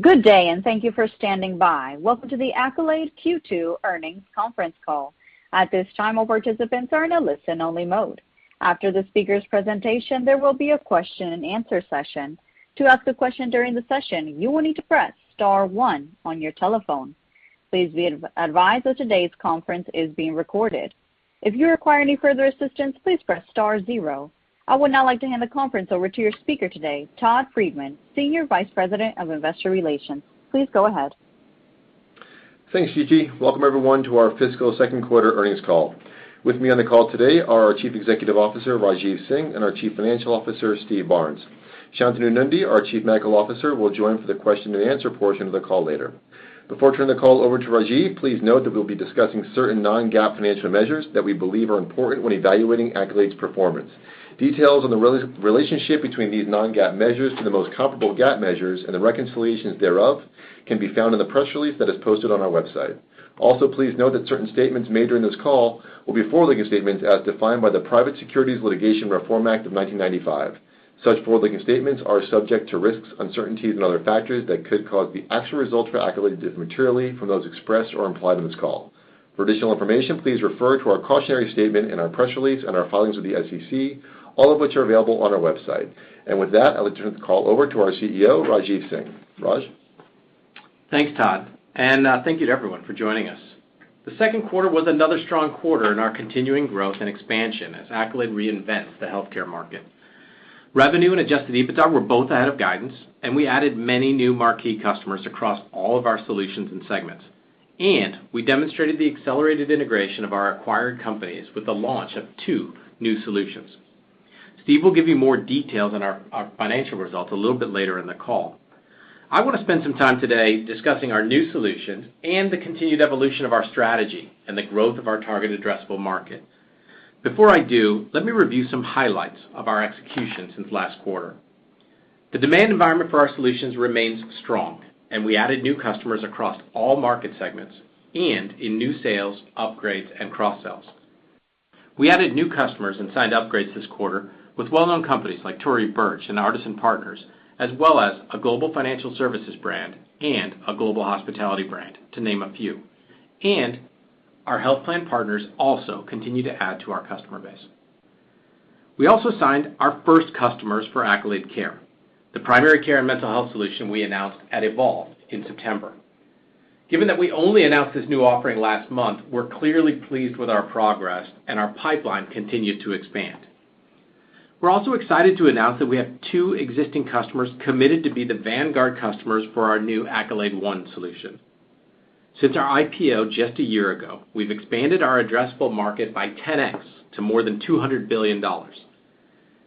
Good day and thank you for standing by. Welcome to the Accolade Q2 Earnings Conference Call. At this time, all participants are in a listen-only mode. After the speaker's presentation, there will be a question-and-answer session. To ask a question during the session, you will need to press star one on your telephone. Please be advised that today's conference is being recorded. If you require any further assistance, please press star zero. I would now like to hand the conference over to your speaker today, Todd Friedman, Senior Vice President of Investor Relations. Please go ahead. Thanks, Gigi. Welcome, everyone, to our fiscal second quarter earnings call. With me on the call today are our Chief Executive Officer, Rajeev Singh, and our Chief Financial Officer, Steve Barnes. Shantanu Nundy, our Chief Medical Officer, will join for the question-and-answer portion of the call later. Before I turn the call over to Rajeev, please note that we'll be discussing certain non-GAAP financial measures that we believe are important when evaluating Accolade's performance. Details on the relationship between these non-GAAP measures to the most comparable GAAP measures and the reconciliations thereof can be found in the press release that is posted on our website. Please note that certain statements made during this call will be forward-looking statements as defined by the Private Securities Litigation Reform Act of 1995. Such forward-looking statements are subject to risks, uncertainties, and other factors that could cause the actual results for Accolade to differ materially from those expressed or implied on this call. For additional information, please refer to our cautionary statement in our press release and our filings with the SEC, all of which are available on our website. With that, I'll turn the call over to our CEO, Rajeev Singh. Raj? Thanks, Todd, thank you to everyone for joining us. The second quarter was another strong quarter in our continuing growth and expansion as Accolade reinvents the healthcare market. Revenue and adjusted EBITDA were both ahead of guidance, and we added many new marquee customers across all of our solutions and segments. We demonstrated the accelerated integration of our acquired companies with the launch of two new solutions. Steve will give you more details on our financial results a little bit later in the call. I want to spend some time today discussing our new solutions and the continued evolution of our strategy and the growth of our target addressable market. Before I do, let me review some highlights of our execution since last quarter. The demand environment for our solutions remains strong, and we added new customers across all market segments and in new sales, upgrades, and cross-sales. We added new customers and signed upgrades this quarter with well-known companies like Tory Burch and Artisan Partners, as well as a global financial services brand and a global hospitality brand, to name a few. Our health plan partners also continue to add to our customer base. We also signed our first customers for Accolade Care, the primary care and mental health solution we announced at Evolve in September. Given that we only announced this new offering last month, we're clearly pleased with our progress, and our pipeline continued to expand. We're also excited to announce that we have two existing customers committed to be the vanguard customers for our new Accolade One solution. Since our IPO just a year ago, we've expanded our addressable market by 10x to more than $200 billion.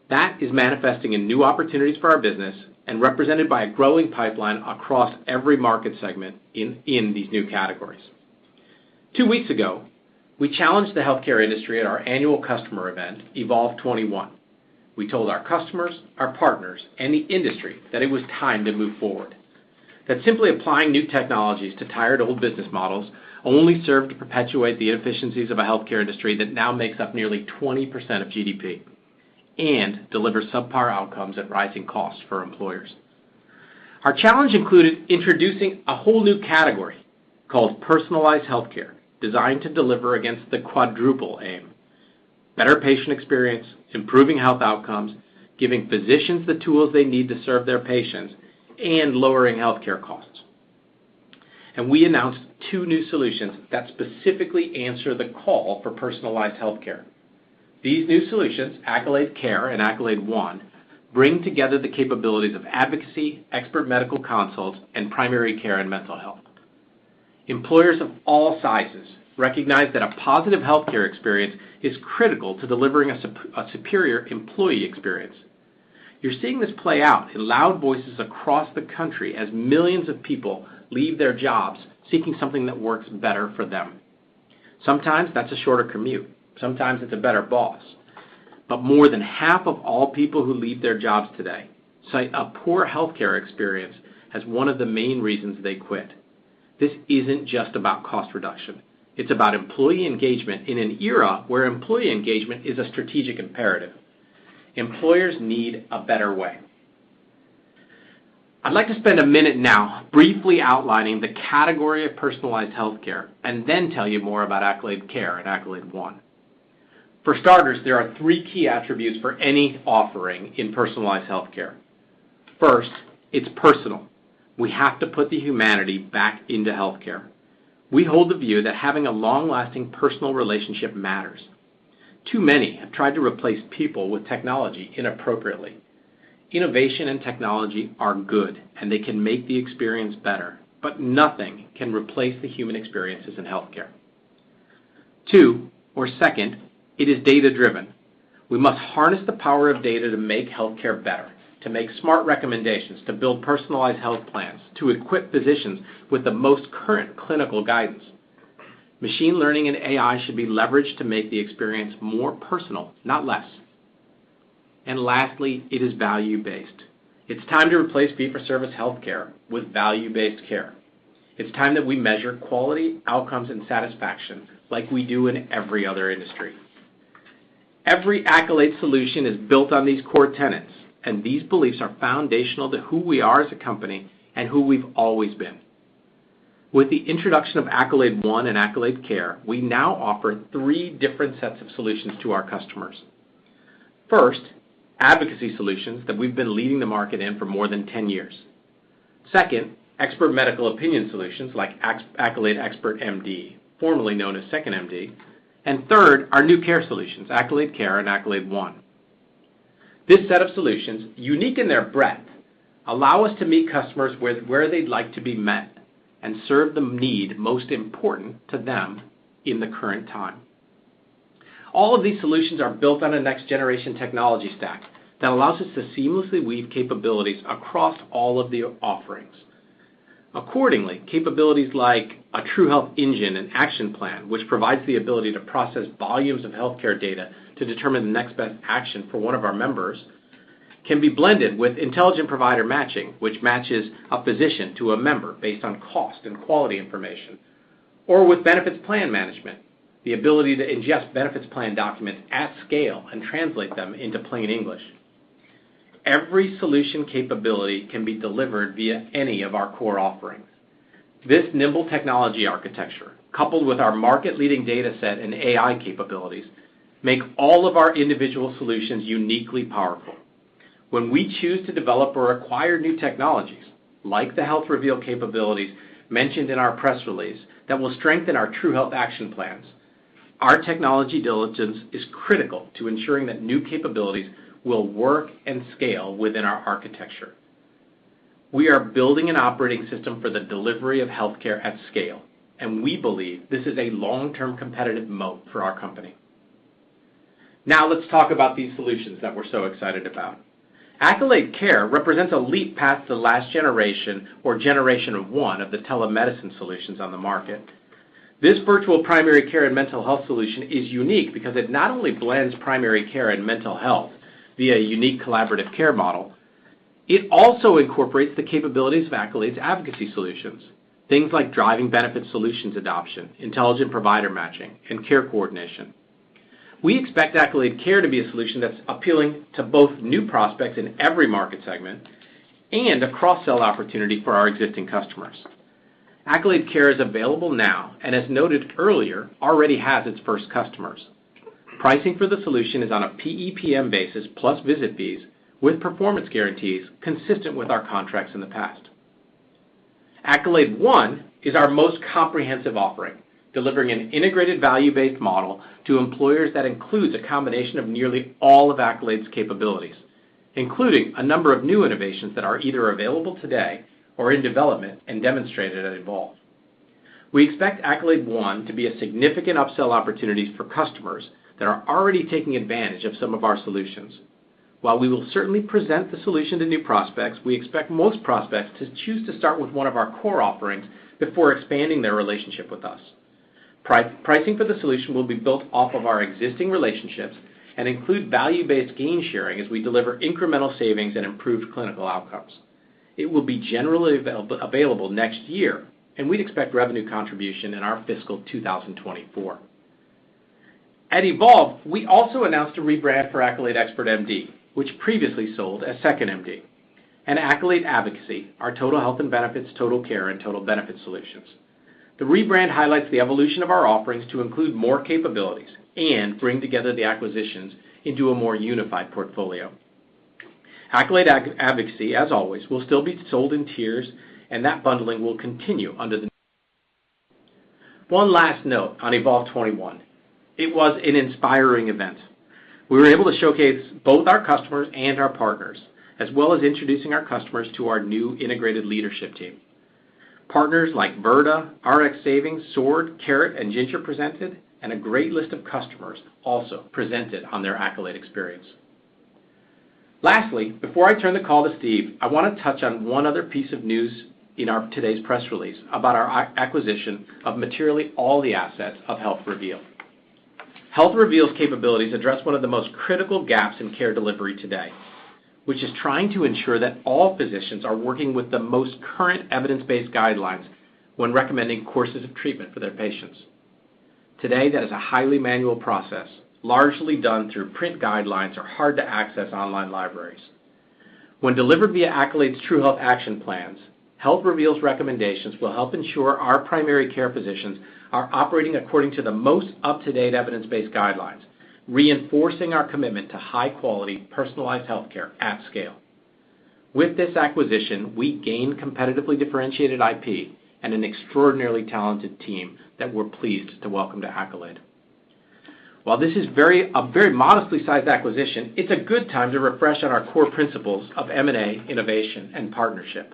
That is manifesting in new opportunities for our business and represented by a growing pipeline across every market segment in these new categories. Two weeks ago, we challenged the healthcare industry at our annual customer event, Evolve21. We told our customers, our partners, and the industry that it was time to move forward. That simply applying new technologies to tired, old business models only serve to perpetuate the inefficiencies of a healthcare industry that now makes up nearly 20% of GDP and delivers subpar outcomes at rising costs for employers. Our challenge included introducing a whole new category called personalized healthcare, designed to deliver against the Quadruple Aim: better patient experience, improving health outcomes, giving physicians the tools they need to serve their patients, and lowering healthcare costs. We announced two new solutions that specifically answer the call for personalized healthcare. These new solutions, Accolade Care and Accolade One, bring together the capabilities of advocacy, expert medical consult, and primary care and mental health. Employers of all sizes recognize that a positive healthcare experience is critical to delivering a superior employee experience. You're seeing this play out in loud voices across the country as millions of people leave their jobs, seeking something that works better for them. Sometimes that's a shorter commute, sometimes it's a better boss. More than half of all people who leave their jobs today cite a poor healthcare experience as one of the main reasons they quit. This isn't just about cost reduction. It's about employee engagement in an era where employee engagement is a strategic imperative. Employers need a better way. I'd like to spend a minute now briefly outlining the category of personalized healthcare and then tell you more about Accolade Care and Accolade One. For starters, there are three key attributes for any offering in personalized healthcare. First, it's personal. We have to put the humanity back into healthcare. We hold the view that having a long-lasting personal relationship matters. Too many have tried to replace people with technology inappropriately. Innovation and technology are good, and they can make the experience better, but nothing can replace the human experiences in healthcare. Two, or second, it is data-driven. We must harness the power of data to make healthcare better, to make smart recommendations, to build personalized health plans, to equip physicians with the most current clinical guidance. Machine learning and AI should be leveraged to make the experience more personal, not less. Lastly, it is value-based. It's time to replace fee-for-service healthcare with value-based care. It's time that we measure quality, outcomes, and satisfaction like we do in every other industry. Every Accolade solution is built on these core tenets, and these beliefs are foundational to who we are as a company and who we've always been. With the introduction of Accolade One and Accolade Care, we now offer three different sets of solutions to our customers. First, advocacy solutions that we've been leading the market in for more than 10 years. Second, expert medical opinion solutions like Accolade Expert MD, formerly known as 2nd.MD, and third, our new care solutions, Accolade Care and Accolade One. This set of solutions, unique in their breadth, allow us to meet customers where they'd like to be met and serve the need most important to them in the current time. All of these solutions are built on a next-generation technology stack that allows us to seamlessly weave capabilities across all of the offerings. Accordingly, capabilities like a True Health Engine and action plan, which provides the ability to process volumes of healthcare data to determine the next best action for one of our members, can be blended with intelligent provider matching, which matches a physician to a member based on cost and quality information, or with benefits plan management, the ability to ingest benefits plan documents at scale and translate them into plain English. Every solution capability can be delivered via any of our core offerings. This nimble technology architecture, coupled with our market-leading data set and AI capabilities, make all of our individual solutions uniquely powerful. When we choose to develop or acquire new technologies, like the HealthReveal capabilities mentioned in our press release, that will strengthen our True Health Engine, our technology diligence is critical to ensuring that new capabilities will work and scale within our architecture. We are building an operating system for the delivery of healthcare at scale, and we believe this is a long-term competitive moat for our company. Now, let's talk about these solutions that we're so excited about. Accolade Care represents a leap past the last generation or generation one of the telemedicine solutions on the market. This virtual primary care and mental health solution is unique because it not only blends primary care and mental health via a unique collaborative care model. It also incorporates the capabilities of Accolade Advocacy, things like driving benefit solutions adoption, intelligent provider matching, and care coordination. We expect Accolade Care to be a solution that's appealing to both new prospects in every market segment and a cross-sell opportunity for our existing customers. Accolade Care is available now, and as noted earlier, already has its first customers. Pricing for the solution is on a PEPM basis plus visit fees, with Performance Guarantees consistent with our contracts in the past. Accolade One is our most comprehensive offering, delivering an integrated value-based model to employers that includes a combination of nearly all of Accolade's capabilities, including a number of new innovations that are either available today or in development and demonstrated at Evolve. We expect Accolade One to be a significant upsell opportunity for customers that are already taking advantage of some of our solutions. While we will certainly present the solution to new prospects, we expect most prospects to choose to start with one of our core offerings before expanding their relationship with us. Pricing for the solution will be built off of our existing relationships and include value-based gain sharing as we deliver incremental savings and improved clinical outcomes. It will be generally available next year, and we'd expect revenue contribution in our fiscal 2024. At Evolve, we also announced a rebrand for Accolade Expert MD, which previously sold as 2nd.MD, and Accolade Advocacy, our Total Health and Benefits, Total Care, and Total Benefit solutions. The rebrand highlights the evolution of our offerings to include more capabilities and bring together the acquisitions into a more unified portfolio. Accolade Advocacy, as always, will still be sold in tiers, and that bundling will continue under the. One last note on Evolve21. It was an inspiring event. We were able to showcase both our customers and our partners, as well as introducing our customers to our new integrated leadership team. Partners like Virta, Rx Savings, Sword, Carrot, and Ginger presented, and a great list of customers also presented on their Accolade experience. Lastly, before I turn the call to Steve, I want to touch on one other piece of news in today's press release about our acquisition of materially all the assets of HealthReveal. HealthReveal's capabilities address one of the most critical gaps in care delivery today, which is trying to ensure that all physicians are working with the most current evidence-based guidelines when recommending courses of treatment for their patients. Today, that is a highly manual process, largely done through print guidelines or hard-to-access online libraries. When delivered via Accolade's True Health action plans, HealthReveal's recommendations will help ensure our primary care physicians are operating according to the most up-to-date evidence-based guidelines, reinforcing our commitment to high-quality, personalized healthcare at scale. With this acquisition, we gain competitively differentiated IP and an extraordinarily talented team that we're pleased to welcome to Accolade. While this is a very modestly sized acquisition, it's a good time to refresh on our core principles of M&A, innovation, and partnership.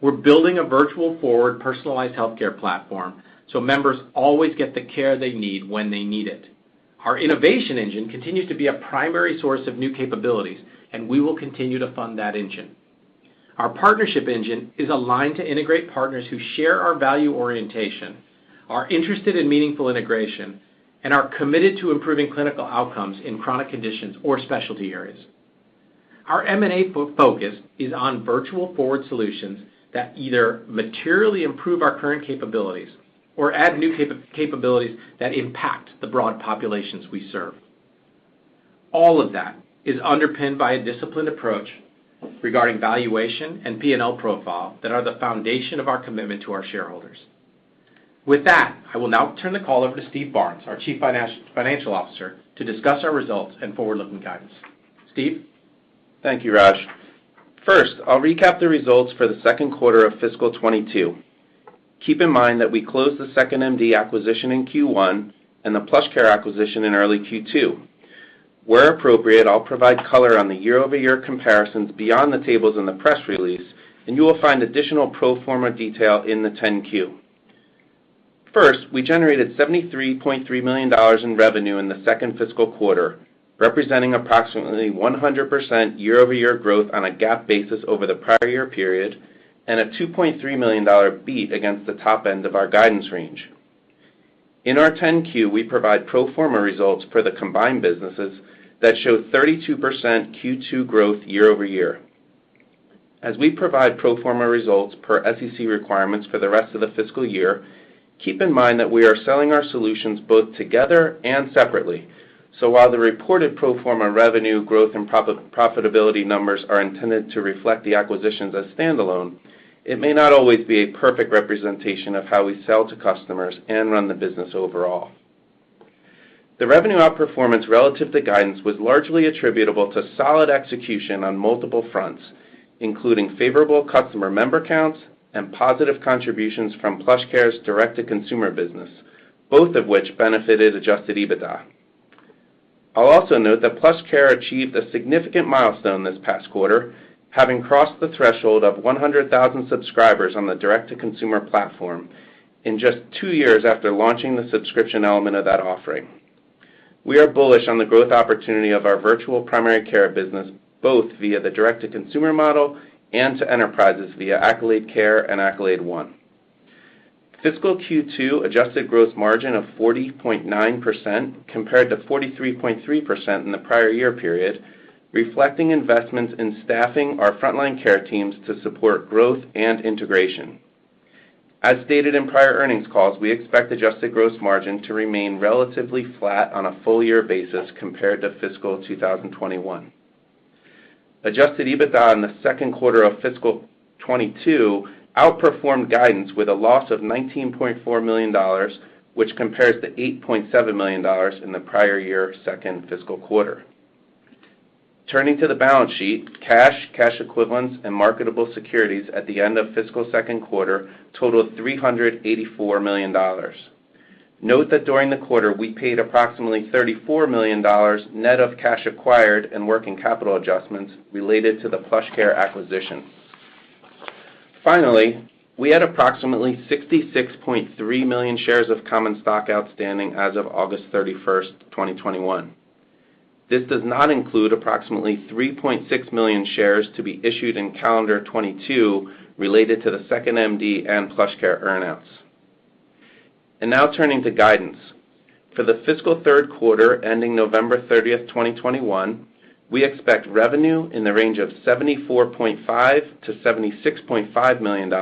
We're building a virtual-forward personalized healthcare platform, so members always get the care they need when they need it. Our innovation engine continues to be a primary source of new capabilities, and we will continue to fund that engine. Our partnership engine is aligned to integrate partners who share our value orientation, are interested in meaningful integration, and are committed to improving clinical outcomes in chronic conditions or specialty areas. Our M&A focus is on virtual forward solutions that either materially improve our current capabilities or add new capabilities that impact the broad populations we serve. All of that is underpinned by a disciplined approach regarding valuation and P&L profile that are the foundation of our commitment to our shareholders. With that, I will now turn the call over to Steve Barnes, our chief financial officer, to discuss our results and forward-looking guidance. Steve? Thank you, Raj. First, I'll recap the results for the second quarter of fiscal 2022. Keep in mind that we closed the 2nd.MD acquisition in Q1 and the PlushCare acquisition in early Q2. Where appropriate, I'll provide color on the year-over-year comparisons beyond the tables in the press release, and you will find additional pro forma detail in the 10-Q. First, we generated $73.3 million in revenue in the second fiscal quarter, representing approximately 100% year-over-year growth on a GAAP basis over the prior year period and a $2.3 million beat against the top end of our guidance range. In our 10-Q, we provide pro forma results for the combined businesses that show 32% Q2 growth year-over-year. As we provide pro forma results per SEC requirements for the rest of the fiscal year, keep in mind that we are selling our solutions both together and separately. While the reported pro forma revenue growth and profitability numbers are intended to reflect the acquisitions as standalone, it may not always be a perfect representation of how we sell to customers and run the business overall. The revenue outperformance relative to guidance was largely attributable to solid execution on multiple fronts, including favorable customer member counts and positive contributions from PlushCare's direct-to-consumer business, both of which benefited adjusted EBITDA. I'll also note that PlushCare achieved a significant milestone this past quarter, having crossed the threshold of 100,000 subscribers on the direct-to-consumer platform in just two years after launching the subscription element of that offering. We are bullish on the growth opportunity of our virtual primary care business, both via the direct-to-consumer model and to enterprises via Accolade Care and Accolade One. Fiscal Q2 adjusted gross margin of 40.9% compared to 43.3% in the prior year period, reflecting investments in staffing our frontline care teams to support growth and integration. As stated in prior earnings calls, we expect adjusted gross margin to remain relatively flat on a full-year basis compared to fiscal 2021. Adjusted EBITDA in the second quarter of fiscal 22 outperformed guidance with a loss of $19.4 million, which compares to $8.7 million in the prior year second fiscal quarter. Turning to the balance sheet, cash equivalents, and marketable securities at the end of fiscal second quarter totaled $384 million. Note that during the quarter, we paid approximately $34 million net of cash acquired and working capital adjustments related to the PlushCare acquisition. Finally, we had approximately 66.3 million shares of common stock outstanding as of August 31st, 2021. This does not include approximately 3.6 million shares to be issued in calendar 2022 related to the 2nd.MD and PlushCare earn-outs. Now turning to guidance. For the fiscal third quarter ending November 30th, 2021, we expect revenue in the range of $74.5 million-$76.5 million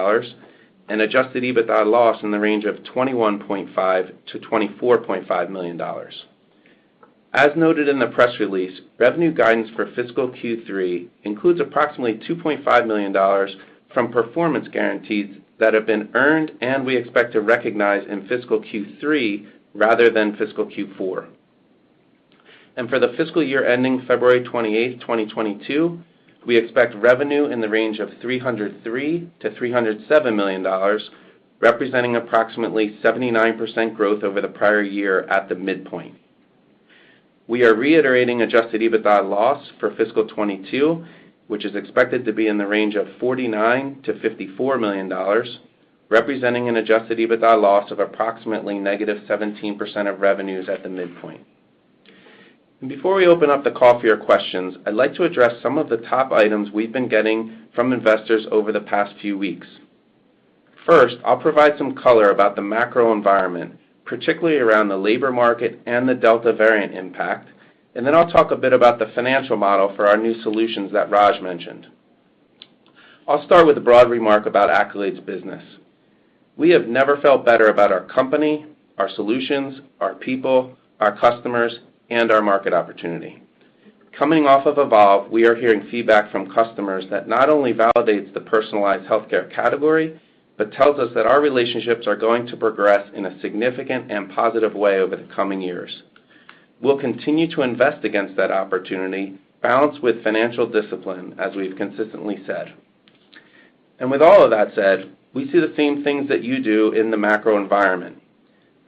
and adjusted EBITDA loss in the range of $21.5 million-$24.5 million. As noted in the press release, revenue guidance for fiscal Q3 includes approximately $2.5 million from performance guarantees that have been earned and we expect to recognize in fiscal Q3 rather than fiscal Q4. For the fiscal year ending February 28, 2022, we expect revenue in the range of $303 million-$307 million, representing approximately 79% growth over the prior year at the midpoint. We are reiterating adjusted EBITDA loss for fiscal 2022, which is expected to be in the range of $49 million-$54 million, representing an adjusted EBITDA loss of approximately negative 17% of revenues at the midpoint. Before we open up the call for your questions, I'd like to address some of the top items we've been getting from investors over the past few weeks. First, I'll provide some color about the macro environment, particularly around the labor market and the Delta variant impact, and then I'll talk a bit about the financial model for our new solutions that Raj mentioned. I'll start with a broad remark about Accolade's business. We have never felt better about our company, our solutions, our people, our customers, and our market opportunity. Coming off of Evolve, we are hearing feedback from customers that not only validates the personalized healthcare category but tells us that our relationships are going to progress in a significant and positive way over the coming years. We'll continue to invest against that opportunity, balanced with financial discipline, as we've consistently said. With all of that said, we see the same things that you do in the macro environment.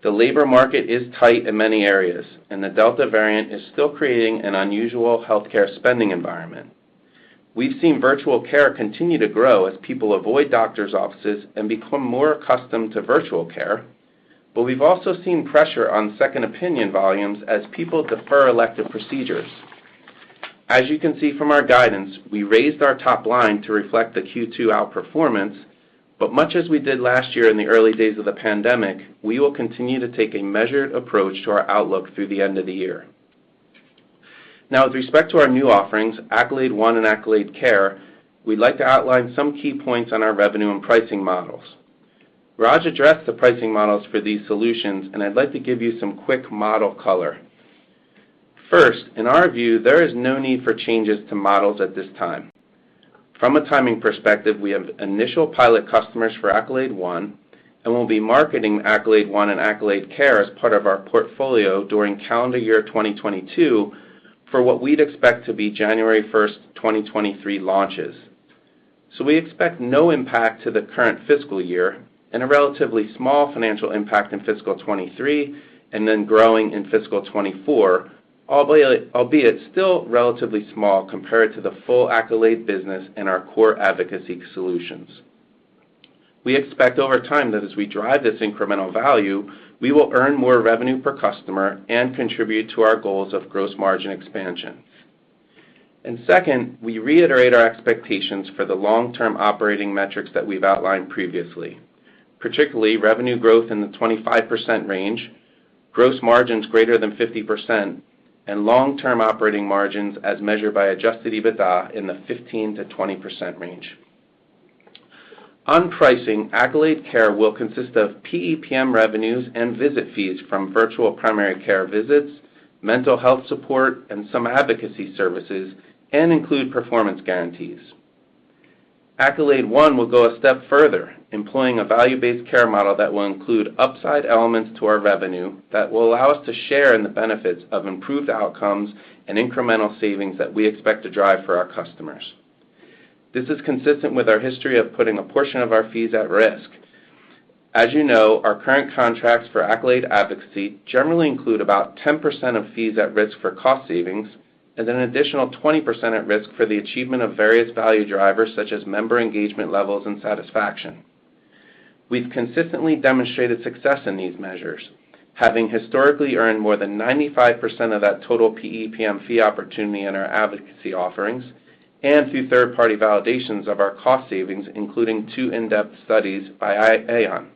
The labor market is tight in many areas, and the Delta variant is still creating an unusual healthcare spending environment. We've seen virtual care continue to grow as people avoid doctor's offices and become more accustomed to virtual care. We've also seen pressure on second opinion volumes as people defer elective procedures. As you can see from our guidance, we raised our top line to reflect the Q2 outperformance. Much as we did last year in the early days of the pandemic, we will continue to take a measured approach to our outlook through the end of the year. With respect to our new offerings, Accolade One and Accolade Care, we'd like to outline some key points on our revenue and pricing models. Raj addressed the pricing models for these solutions. I'd like to give you some quick model color. In our view, there is no need for changes to models at this time. From a timing perspective, we have initial pilot customers for Accolade One. We'll be marketing Accolade One and Accolade Care as part of our portfolio during calendar year 2022 for what we'd expect to be January 1st, 2023 launches. We expect no impact to the current fiscal year and a relatively small financial impact in fiscal 2023, then growing in fiscal 2024, albeit still relatively small compared to the full Accolade business and our core advocacy solutions. Second, we reiterate our expectations for the long-term operating metrics that we've outlined previously, particularly revenue growth in the 25% range, gross margins greater than 50%, and long-term operating margins as measured by adjusted EBITDA in the 15%-20% range. On pricing, Accolade Care will consist of PEPM revenues and visit fees from virtual primary care visits, mental health support, and some advocacy services, and include performance guarantees. Accolade One will go a step further, employing a value-based care model that will include upside elements to our revenue that will allow us to share in the benefits of improved outcomes and incremental savings that we expect to drive for our customers. This is consistent with our history of putting a portion of our fees at risk. As you know, our current contracts for Accolade Advocacy generally include about 10% of fees at risk for cost savings and an additional 20% at risk for the achievement of various value drivers such as member engagement levels and satisfaction. We've consistently demonstrated success in these measures, having historically earned more than 95% of that total PEPM fee opportunity in our advocacy offerings and through third-party validations of our cost savings, including two in-depth studies by Aon.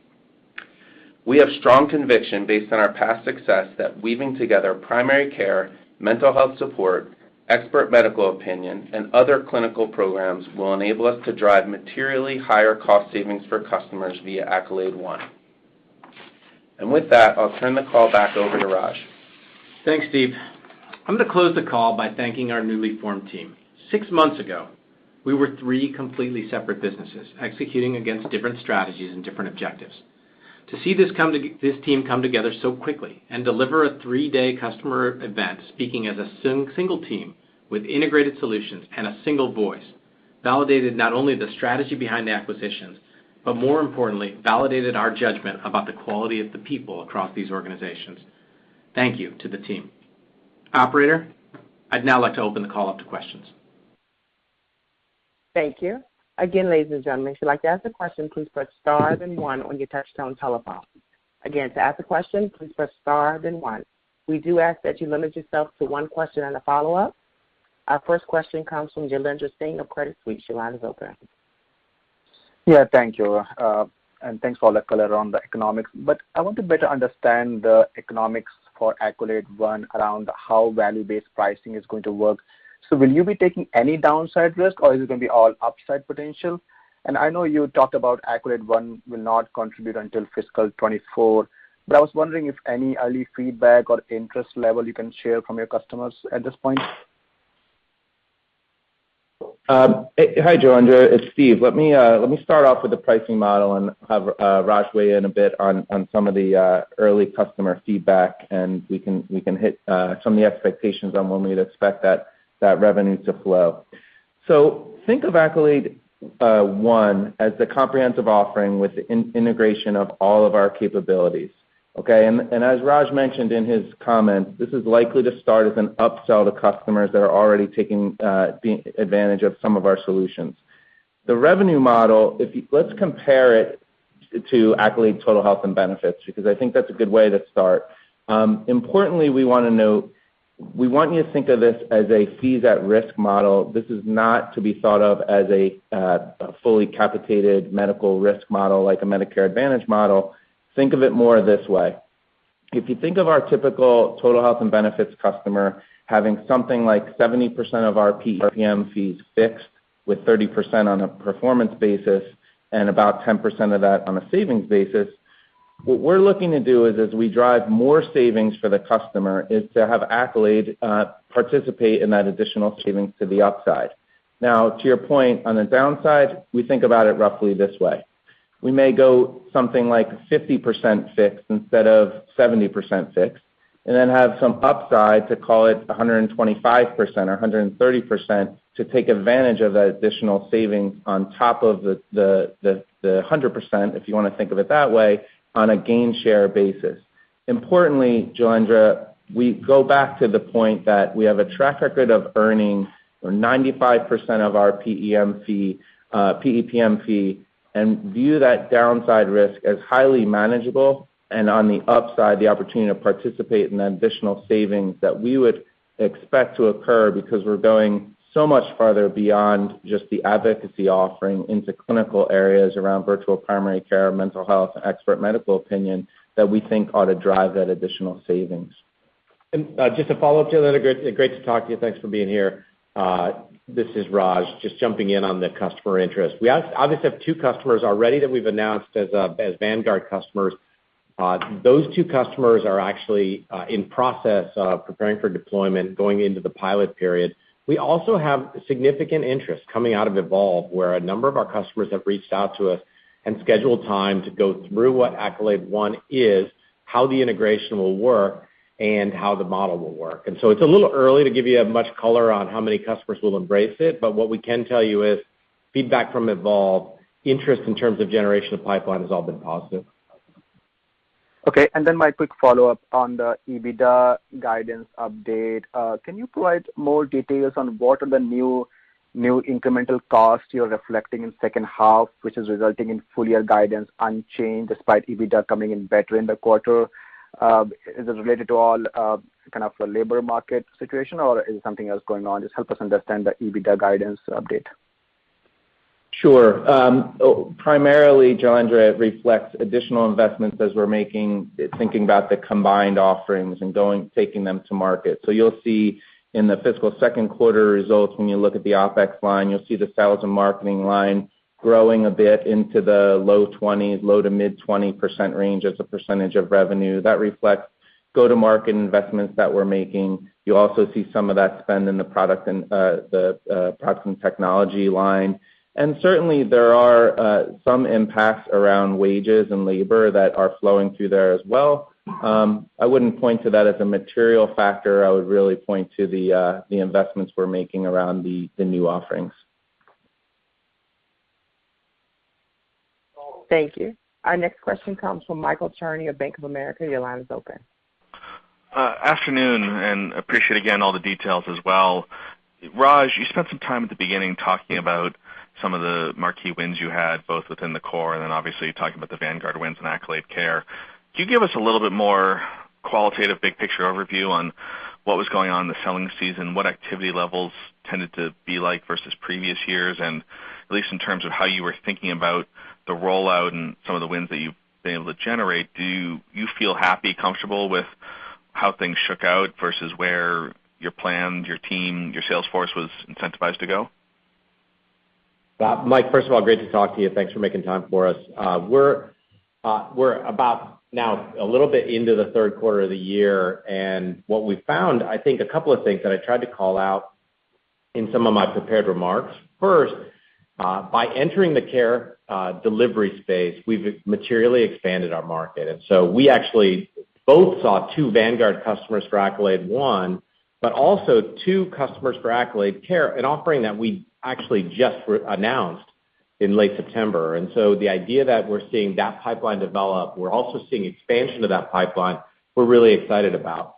We have strong conviction based on our past success that weaving together primary care, mental health support, expert medical opinion, and other clinical programs will enable us to drive materially higher cost savings for customers via Accolade One. With that, I'll turn the call back over to Raj. Thanks, Steve. I'm going to close the call by thanking our newly formed team. Six months ago, we were three completely separate businesses executing against different strategies and different objectives. To see this team come together so quickly and deliver a three-day customer event, speaking as a single team with integrated solutions and a single voice, validated not only the strategy behind the acquisitions, but more importantly, validated our judgment about the quality of the people across these organizations. Thank you to the team. Operator, I'd now like to open the call up to questions. Thank you. Again, ladies and gentlemen, if you'd like to ask a question, please press star then one on your touch-tone telephone. Again, to ask a question, please press star then one. We do ask that you limit yourself to one question and follow-up. Our first question comes from Jailendra Singh of Credit Suisse. Your line is open. Yeah, thank you. Thanks for all the color on the economics. I want to better understand the economics for Accolade One around how value-based pricing is going to work. Will you be taking any downside risk, or is it going to be all upside potential? I know you talked about Accolade One will not contribute until fiscal 2024, but I was wondering if any early feedback or interest level you can share from your customers at this point. Hi, Jailendra, it's Steve. Let me start off with the pricing model and have Raj weigh in a bit on some of the early customer feedback, and we can hit some of the expectations on when we'd expect that revenue to flow. Think of Accolade One as the comprehensive offering with the integration of all of our capabilities, okay? As Raj mentioned in his comments, this is likely to start as an upsell to customers that are already taking advantage of some of our solutions. The revenue model let's compare it to Accolade Total Health and Benefits, because I think that's a good way to start. Importantly, we want you to think of this as a fees at risk model. This is not to be thought of as a fully capitated medical risk model like a Medicare Advantage model. Think of it more this way. If you think of our typical Total Health and Benefits customer having something like 70% of our PEPM fees fixed with 30% on a performance basis and about 10% of that on a savings basis, what we're looking to do is as we drive more savings for the customer, is to have Accolade participate in that additional savings to the upside. Now, to your point, on the downside, we think about it roughly this way. We may go something like 50% fixed instead of 70% fixed, and then have some upside to call it 125% or 130% to take advantage of that additional savings on top of the 100%, if you want to think of it that way, on a gain share basis. Importantly, Jailendra, we go back to the point that we have a track record of earning 95% of our PEPM fee and view that downside risk as highly manageable, and on the upside, the opportunity to participate in the additional savings that we would expect to occur because we're going so much farther beyond just the advocacy offering into clinical areas around virtual primary care, mental health, and expert medical opinion that we think ought to drive that additional savings. Just a follow-up to that, great to talk to you. Thanks for being here. This is Raj, just jumping in on the customer interest. We obviously have two customers already that we've announced as Vanguard customers. Those two customers are actually in process of preparing for deployment, going into the pilot period. We also have significant interest coming out of Evolve, where a number of our customers have reached out to us and scheduled time to go through what Accolade One is, how the integration will work, and how the model will work. It's a little early to give you much color on how many customers will embrace it, but what we can tell you is feedback from Evolve, interest in terms of generation of pipeline has all been positive. My quick follow-up on the EBITDA guidance update. Can you provide more details on what are the new incremental costs you're reflecting in second half, which is resulting in full-year guidance unchanged despite EBITDA coming in better in the quarter? Is it related to all the labor market situation or is something else going on? Just help us understand the EBITDA guidance update. Sure. Primarily, Jailendra, it reflects additional investments as we're making, thinking about the combined offerings and taking them to market. You'll see in the fiscal second quarter results, when you look at the OpEx line, you'll see the sales and marketing line growing a bit into the low 20s, low to mid 20% range as a percentage of revenue. That reflects go-to-market investments that we're making. You'll also see some of that spend in the product and technology line. Certainly, there are some impacts around wages and labor that are flowing through there as well. I wouldn't point to that as a material factor. I would really point to the investments we're making around the new offerings. Thank you. Our next question comes from Michael Cherny of Bank of America. Your line is open. Afternoon. Appreciate again all the details as well. Raj, you spent some time at the beginning talking about some of the marquee wins you had, both within the core, and then obviously talking about the Vanguard wins and Accolade Care. Can you give us a little bit more qualitative big picture overview on what was going on in the selling season, what activity levels tended to be like versus previous years? At least in terms of how you were thinking about the rollout and some of the wins that you've been able to generate, do you feel happy, comfortable with how things shook out versus where your plan, your team, your sales force was incentivized to go? Mike, first of all, great to talk to you. Thanks for making time for us. We're about now a little bit into the third quarter of the year, and what we've found, I think a couple of things that I tried to call out in some of my prepared remarks. First, by entering the care delivery space, we've materially expanded our market. We actually both saw two Vanguard customers for Accolade One, but also two customers for Accolade Care, an offering that we actually just announced in late September. The idea that we're seeing that pipeline develop, we're also seeing expansion of that pipeline, we're really excited about.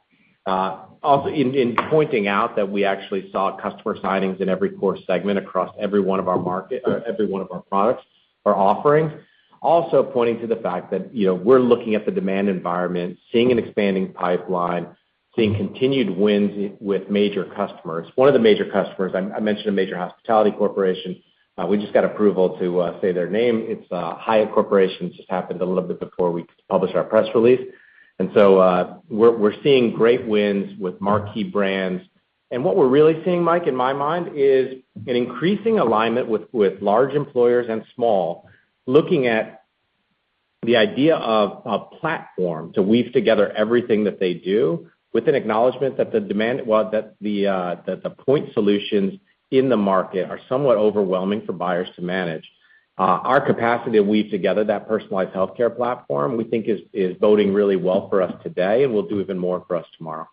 Also, in pointing out that we actually saw customer signings in every core segment across every one of our products or offerings. Pointing to the fact that we're looking at the demand environment, seeing an expanding pipeline, seeing continued wins with major customers. One of the major customers, I mentioned a major hospitality corporation. We just got approval to say their name. It's Hyatt Corporation. It just happened a little bit before we published our press release. We're seeing great wins with marquee brands. What we're really seeing, Mike, in my mind, is an increasing alignment with large employers and small, looking at the idea of a platform to weave together everything that they do with an acknowledgement that the point solutions in the market are somewhat overwhelming for buyers to manage. Our capacity to weave together that personalized healthcare platform, we think is boding really well for us today and will do even more for us tomorrow.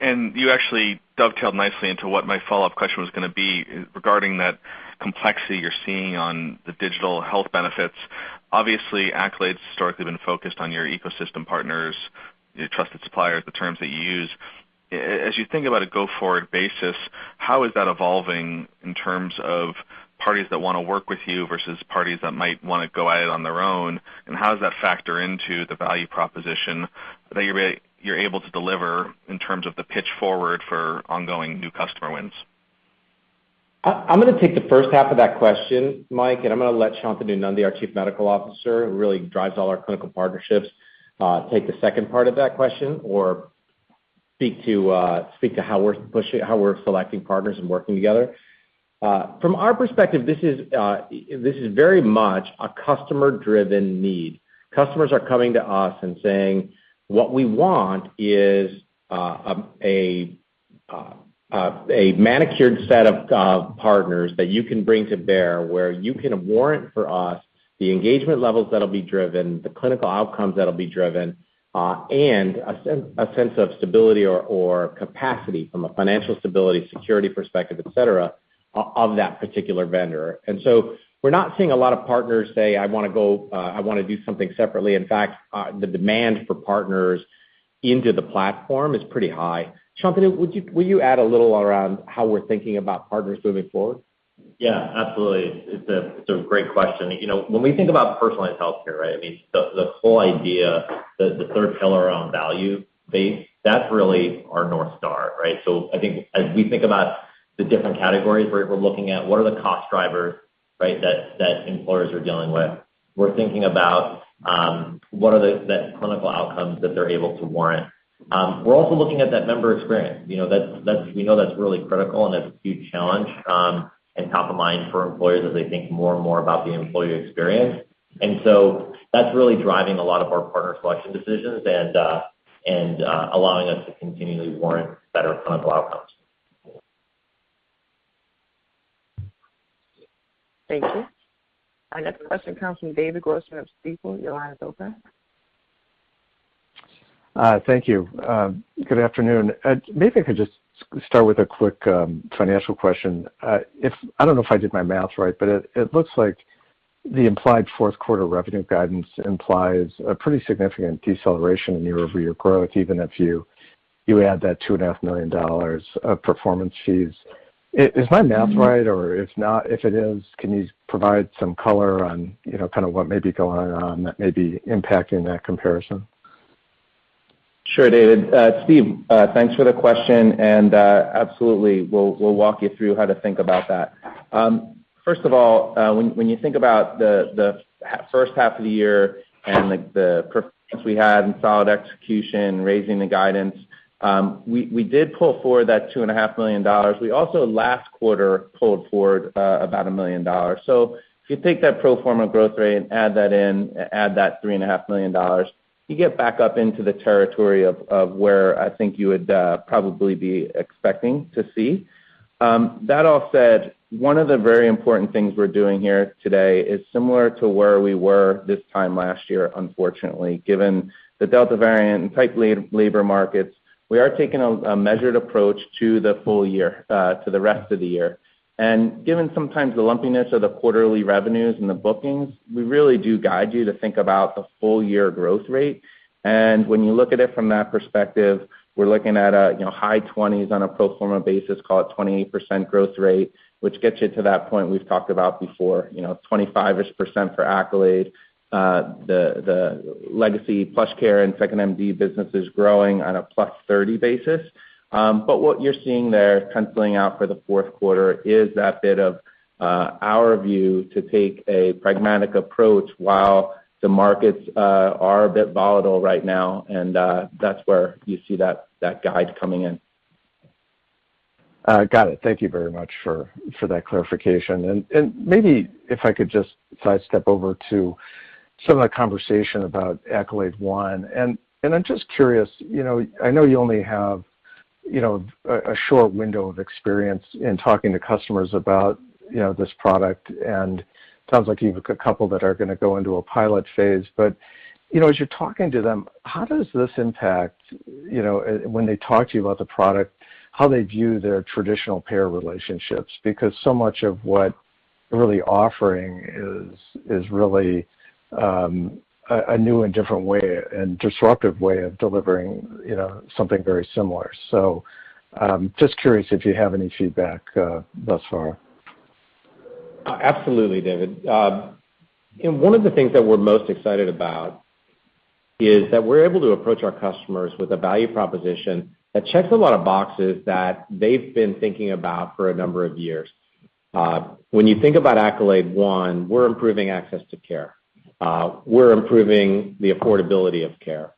You actually dovetailed nicely into what my follow-up question was going to be regarding that complexity you're seeing on the digital health benefits. Obviously, Accolade's historically been focused on your ecosystem partners, your trusted suppliers, the terms that you use. As you think about a go-forward basis, how is that evolving in terms of parties that want to work with you versus parties that might want to go at it on their own? And how does that factor into the value proposition that you're able to deliver in terms of the pitch forward for ongoing new customer wins? I'm going to take the first half of that question, Mike, and I'm going to let Shantanu Nundy, our Chief Medical Officer, who really drives all our clinical partnerships, take the second part of that question or speak to how we're selecting partners and working together. From our perspective, this is very much a customer-driven need. Customers are coming to us and saying, "What we want is a manicured set of partners that you can bring to bear, where you can warrant for us the engagement levels that'll be driven, the clinical outcomes that'll be driven, and a sense of stability or capacity from a financial stability, security perspective, et cetera, of that particular vendor." We're not seeing a lot of partners say, "I want to do something separately." In fact, the demand for partners into the platform is pretty high. Shantanu, will you add a little around how we're thinking about partners moving forward? Yeah, absolutely. It's a great question. When we think about personalized healthcare, right? I mean, the whole idea, the third pillar around value-based, that's really our North Star. As we think about the different categories, we're looking at what are the cost drivers? Right, that employers are dealing with. We're thinking about what are the clinical outcomes that they're able to warrant. We're also looking at that member experience. We know that's really critical and a huge challenge and top of mind for employers as they think more and more about the employee experience. That's really driving a lot of our partner selection decisions and allowing us to continually warrant better clinical outcomes. Thank you. Our next question comes from David Grossman of Stifel. Your line is open. Thank you. Good afternoon. Maybe I could just start with a quick financial question. I don't know if I did my math right. It looks like the implied fourth quarter revenue guidance implies a pretty significant deceleration in year-over-year growth, even if you add that $2.5 million of performance fees. Is my math, right? If it is, can you provide some color on what may be going on that may be impacting that comparison? Sure, David. It's Steve, thanks for the question. Absolutely, we'll walk you through how to think about that. First of all, when you think about the first half of the year and the performance we had and solid execution, raising the guidance, we did pull forward that $2.5 million. We also, last quarter, pulled forward about $1 million. If you take that pro forma growth rate and add that $3.5 million, you get back up into the territory of where I think you would probably be expecting to see. That all said, one of the very important things we're doing here today is similar to where we were this time last year, unfortunately. Given the Delta variant and tight labor markets, we are taking a measured approach to the rest of the year. Given sometimes the lumpiness of the quarterly revenues and the bookings, we really do guide you to think about the full-year growth rate. When you look at it from that perspective, we're looking at high 20s on a pro forma basis, call it 28% growth rate, which gets you to that point we've talked about before, 25-ish percent for Accolade. The legacy PlushCare and 2nd.MD business is growing on a +30 basis. What you're seeing there penciling out for the fourth quarter is that bit of our view to take a pragmatic approach while the markets are a bit volatile right now, and that's where you see that guide coming in. Got it. Thank you very much for that clarification. Maybe if I could just sidestep over to some of the conversation about Accolade One. I'm just curious, I know you only have a short window of experience in talking to customers about this product, and it sounds like you have a couple that are going to go into a pilot phase. As you're talking to them, how does this impact, when they talk to you about the product, how they view their traditional payer relationships? Because so much of what you're really offering is really a new and different way and disruptive way of delivering something very similar. Just curious if you have any feedback thus far. Absolutely, David. One of the things that we're most excited about is that we're able to approach our customers with a value proposition that checks a lot of boxes that they've been thinking about for a number of years. When you think about Accolade One, we're improving access to care. We're improving the affordability of care.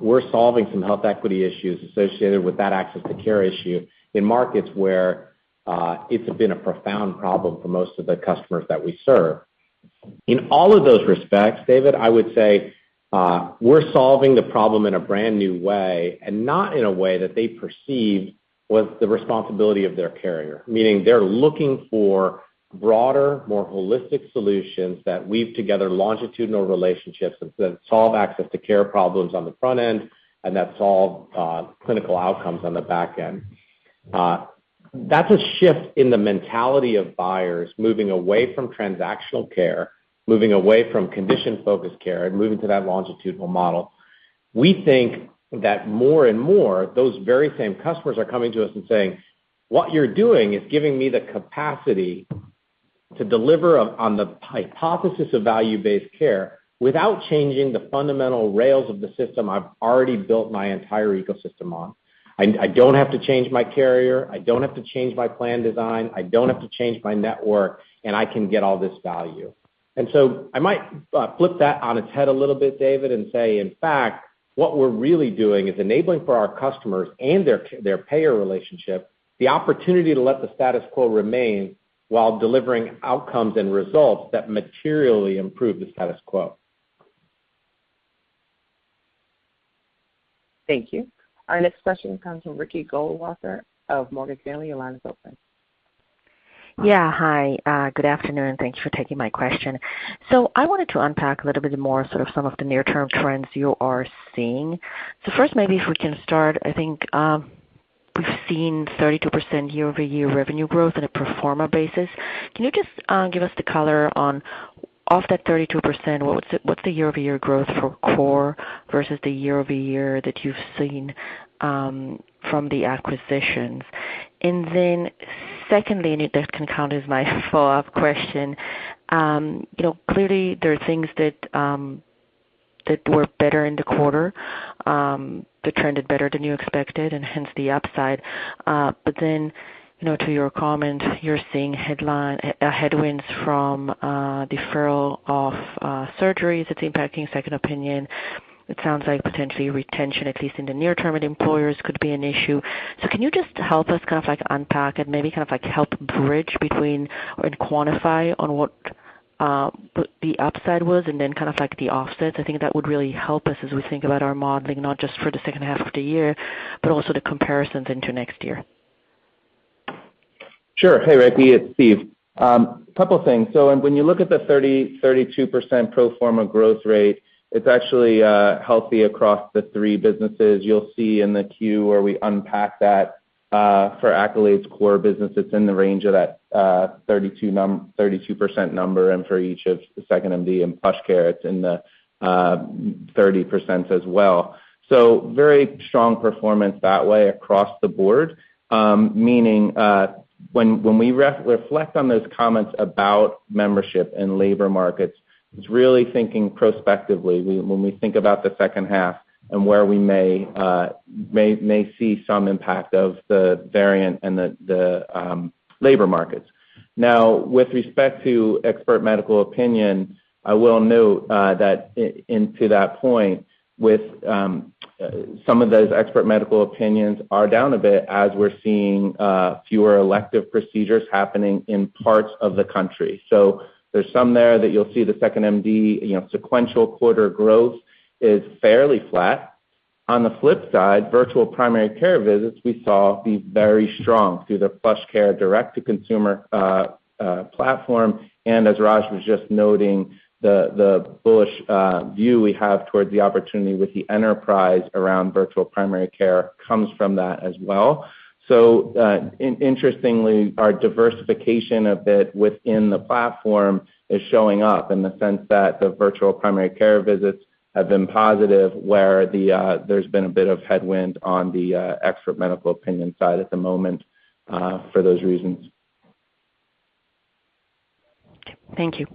We're solving some health equity issues associated with that access to care issue in markets where it's been a profound problem for most of the customers that we serve. In all of those respects, David, I would say we're solving the problem in a brand new way and not in a way that they perceive was the responsibility of their carrier, meaning they're looking for broader, more holistic solutions that weave together longitudinal relationships and solve access to care problems on the front end and that solve clinical outcomes on the back end. That's a shift in the mentality of buyers moving away from transactional care, moving away from condition-focused care, and moving to that longitudinal model. We think that more and more, those very same customers are coming to us and saying, "What you're doing is giving me the capacity to deliver on the hypothesis of value-based care without changing the fundamental rails of the system I've already built my entire ecosystem on. I don't have to change my carrier, I don't have to change my plan design, I don't have to change my network, and I can get all this value." I might flip that on its head a little bit, David, and say, in fact, what we're really doing is enabling for our customers and their payer relationship the opportunity to let the status quo remain while delivering outcomes and results that materially improve the status quo. Thank you. Our next question comes from Ricky Goldwasser of Morgan Stanley. Your line is open. Yeah, hi. Good afternoon. Thanks for taking my question. I wanted to unpack a little bit more some of the near-term trends you are seeing. First, maybe if we can start, I think we've seen 32% year-over-year revenue growth on a pro forma basis. Can you just give us the color on, of that 32%, what's the year-over-year growth for core versus the year-over-year that you've seen from the acquisitions? Secondly, and this can count as my follow-up question, clearly there are things that were better in the quarter, that trended better than you expected, and hence the upside. To your comment, you're seeing headwinds from deferral of surgeries. It's impacting second opinion. It sounds like potentially retention, at least in the near term with employers, could be an issue. Can you just help us unpack and maybe help bridge between, or quantify on what the upside was, and then the offsets? I think that would really help us as we think about our modeling, not just for the second half of the year, but also the comparisons into next year. Sure. Hey, Ricky, it's Steve. A couple things. When you look at the 32% pro forma growth rate, it's actually healthy across the three businesses. You'll see in the Q where we unpack that. For Accolade's core business, it's in the range of that 32% number, and for each of the 2nd.MD and PlushCare, it's in the 30% as well. Very strong performance that way across the board, meaning when we reflect on those comments about membership and labor markets, it's really thinking prospectively, when we think about the second half and where we may see some impact of the Delta variant and the labor markets. With respect to expert medical opinion, I will note that into that point, with some of those expert medical opinions are down a bit as we're seeing fewer elective procedures happening in parts of the country. There's some there that you'll see the 2nd.MD sequential quarter growth is fairly flat. On the flip side, virtual primary care visits, we saw be very strong through the PlushCare direct-to-consumer platform, and as Raj was just noting, the bullish view we have towards the opportunity with the enterprise around virtual primary care comes from that as well. Interestingly, our diversification a bit within the platform is showing up in the sense that the virtual primary care visits have been positive, where there's been a bit of headwind on the expert medical opinion side at the moment for those reasons. Thank you.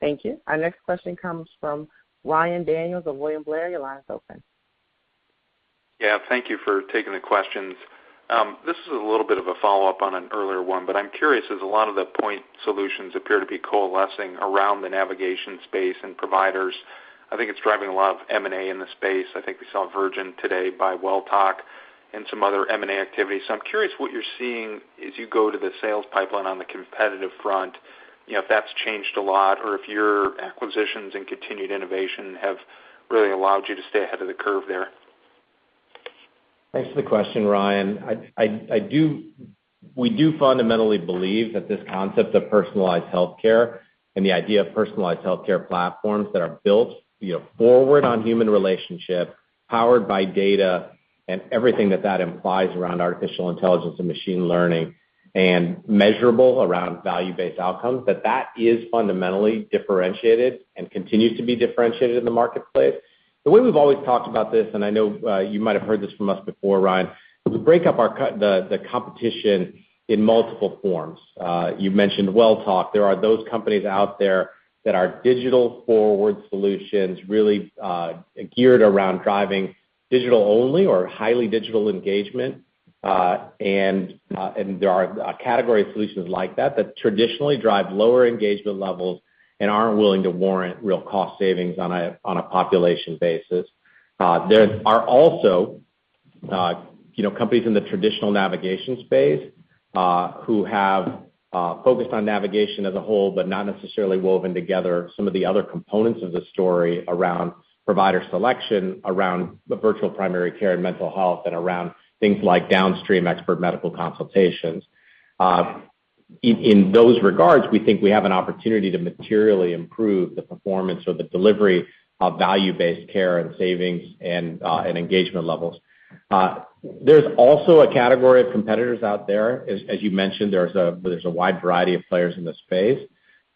Thank you. Our next question comes from Ryan Daniels of William Blair. Your line is open. Yeah, thank you for taking the questions. This is a little bit of a follow-up on an earlier one, but I'm curious, as a lot of the point solutions appear to be coalescing around the navigation space and providers. I think it's driving a lot of M&A in the space. I think we saw Virgin today buy Welltok and some other M&A activity. I'm curious what you're seeing as you go to the sales pipeline on the competitive front, if that's changed a lot or if your acquisitions and continued innovation have really allowed you to stay ahead of the curve there. Thanks for the question, Ryan. We do fundamentally believe that this concept of personalized healthcare and the idea of personalized healthcare platforms that are built forward on human relationship, powered by data, and everything that that implies around artificial intelligence and machine learning, and measurable around value-based outcomes, that that is fundamentally differentiated and continues to be differentiated in the marketplace. The way we've always talked about this, and I know you might have heard this from us before, Ryan, is we break up the competition in multiple forms. You mentioned Welltok. There are those companies out there that are digital forward solutions, really geared around driving digital only or highly digital engagement, and there are a category of solutions like that that traditionally drive lower engagement levels and aren't willing to warrant real cost savings on a population basis. There are also companies in the traditional navigation space, who have focused on navigation as a whole, but not necessarily woven together some of the other components of the story around provider selection, around the virtual primary care and mental health, and around things like downstream expert medical consultations. In those regards, we think we have an opportunity to materially improve the performance or the delivery of value-based care and savings and engagement levels. There's also a category of competitors out there, as you mentioned, there's a wide variety of players in this space,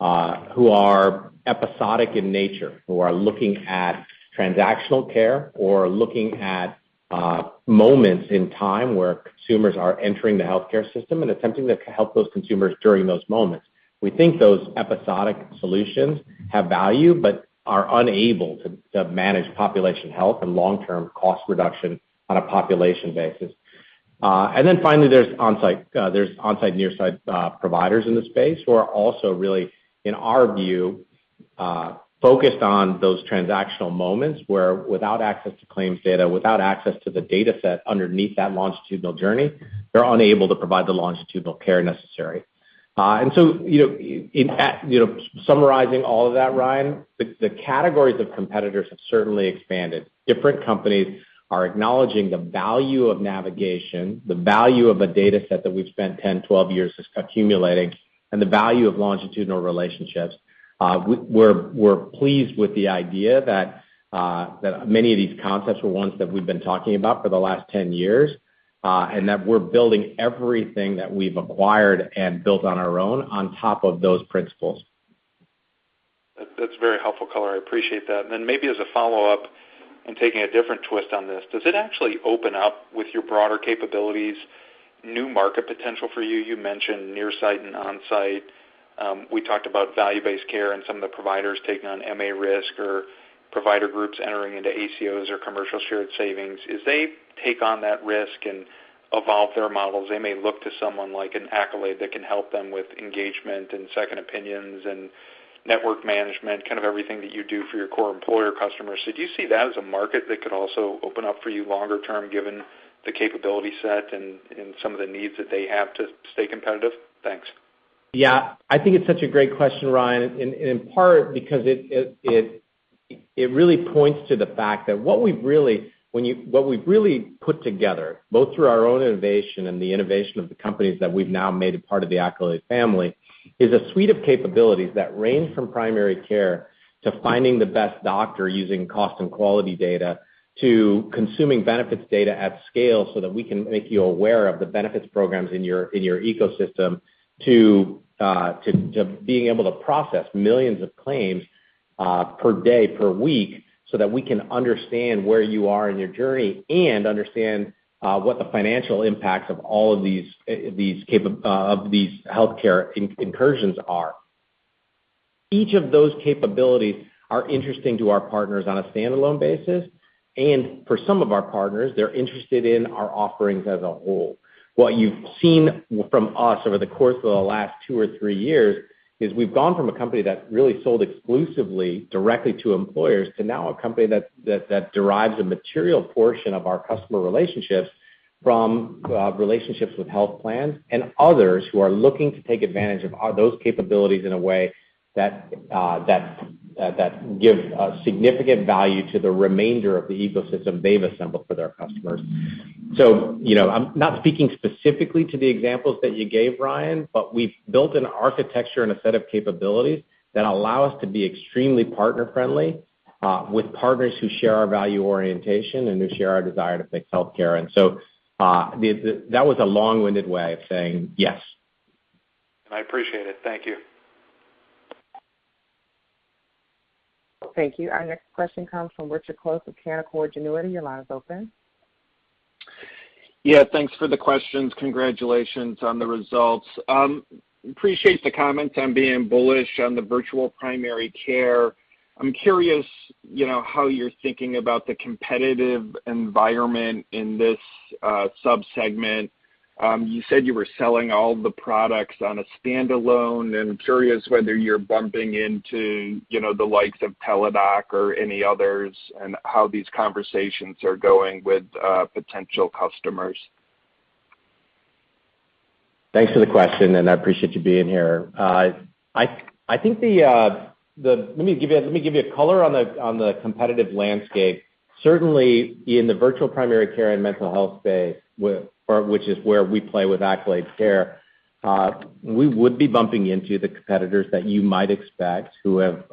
who are episodic in nature, who are looking at transactional care or looking at moments in time where consumers are entering the healthcare system and attempting to help those consumers during those moments. We think those episodic solutions have value but are unable to manage population health and long-term cost reduction on a population basis. Finally, there's on-site, near-site providers in the space who are also really, in our view, focused on those transactional moments where without access to claims data, without access to the dataset underneath that longitudinal journey, they're unable to provide the longitudinal care necessary. Summarizing all of that, Ryan, the categories of competitors have certainly expanded. Different companies are acknowledging the value of navigation, the value of a dataset that we've spent 10, 12 years accumulating, and the value of longitudinal relationships. We're pleased with the idea that many of these concepts were ones that we've been talking about for the last 10 years, and that we're building everything that we've acquired and built on our own on top of those principles. That's very helpful color. I appreciate that. Then maybe as a follow-up and taking a different twist on this, does it actually open up with your broader capabilities, new market potential for you? You mentioned near-site and on-site. We talked about value-based care and some of the providers taking on MA risk or provider groups entering into ACOs or commercial shared savings. As they take on that risk and evolve their models, they may look to someone like an Accolade that can help them with engagement and second opinions and network management, everything that you do for your core employer customers. Do you see that as a market that could also open up for you longer term, given the capability set and some of the needs that they have to stay competitive? Thanks. Yeah. I think it's such a great question, Ryan, in part because it really points to the fact that what we've really put together, both through our own innovation and the innovation of the companies that we've now made a part of the Accolade family, is a suite of capabilities that range from primary care to finding the best doctor using cost and quality data, to consuming benefits data at scale so that we can make you aware of the benefits programs in your ecosystem, to being able to process millions of claims per day, per week, so that we can understand where you are in your journey and understand what the financial impacts of all of these healthcare incursions are. Each of those capabilities are interesting to our partners on a standalone basis. For some of our partners, they're interested in our offerings as a whole. What you've seen from us over the course of the last two or three years is we've gone from a company that really sold exclusively directly to employers, to now a company that derives a material portion of our customer relationships from relationships with health plans and others who are looking to take advantage of those capabilities in a way that give significant value to the remainder of the ecosystem they've assembled for their customers. I'm not speaking specifically to the examples that you gave, Ryan, but we've built an architecture and a set of capabilities that allow us to be extremely partner-friendly with partners who share our value orientation and who share our desire to fix healthcare. That was a long-winded way of saying yes. I appreciate it. Thank you. Thank you. Our next question comes from Richard Close with Canaccord Genuity. Your line is open. Yeah. Thanks for the questions. Congratulations on the results. Appreciate the comments on being bullish on the virtual primary care. I'm curious how you're thinking about the competitive environment in this sub-segment. You said you were selling all the products on a standalone, and I'm curious whether you're bumping into the likes of Teladoc or any others, and how these conversations are going with potential customers. Thanks for the question, and I appreciate you being here. Let me give you color on the competitive landscape. Certainly, in the virtual primary care and mental health space, which is where we play with Accolade Care, we would be bumping into the competitors that you might expect who have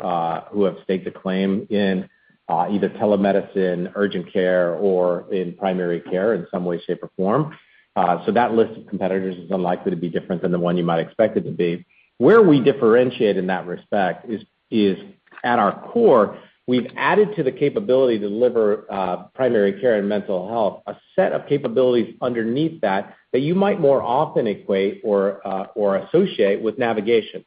staked a claim in either telemedicine, urgent care, or in primary care in some way, shape, or form. That list of competitors is unlikely to be different than the one you might expect it to be. Where we differentiate in that respect is, at our core, we've added to the capability to deliver primary care and mental health, a set of capabilities underneath that you might more often equate or associate with navigation.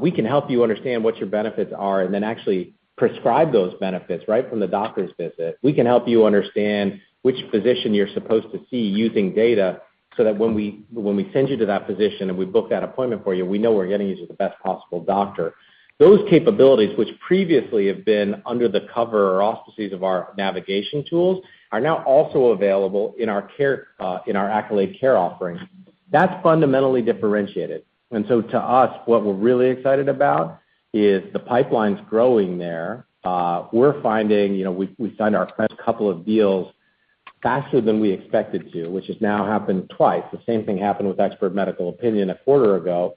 We can help you understand what your benefits are and then actually prescribe those benefits right from the doctor's visit. We can help you understand which physician you're supposed to see using data, so that when we send you to that physician and we book that appointment for you, we know we're getting you to the best possible doctor. Those capabilities, which previously have been under the cover or auspices of our navigation tools, are now also available in our Accolade Care offering. That's fundamentally differentiated. To us, what we're really excited about is the pipeline's growing there. We find our first couple of deals faster than we expected to, which has now happened twice. The same thing happened with expert medical opinion a quarter ago,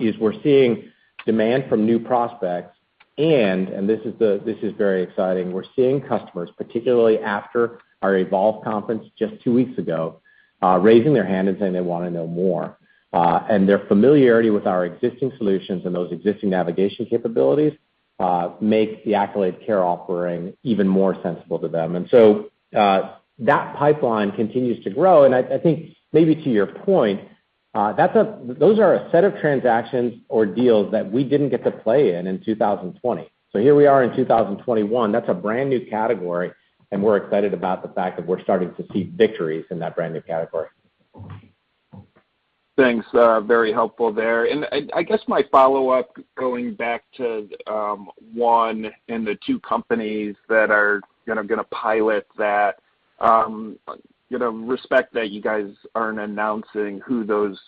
is we're seeing demand from new prospects, and this is very exciting. We're seeing customers, particularly after our Evolve conference just two weeks ago, raising their hands and saying they want to know more. Their familiarity with our existing solutions and those existing navigation capabilities, make the Accolade Care offering even more sensible to them. That pipeline continues to grow, and I think maybe to your point, those are a set of transactions or deals that we didn't get to play in in 2020. Here we are in 2021, that's a brand new category, and we're excited about the fact that we're starting to see victories in that brand new category. Thanks. Very helpful there. I guess my follow-up, going back to one and the two companies that are going to pilot that, I respect that you guys aren't announcing who those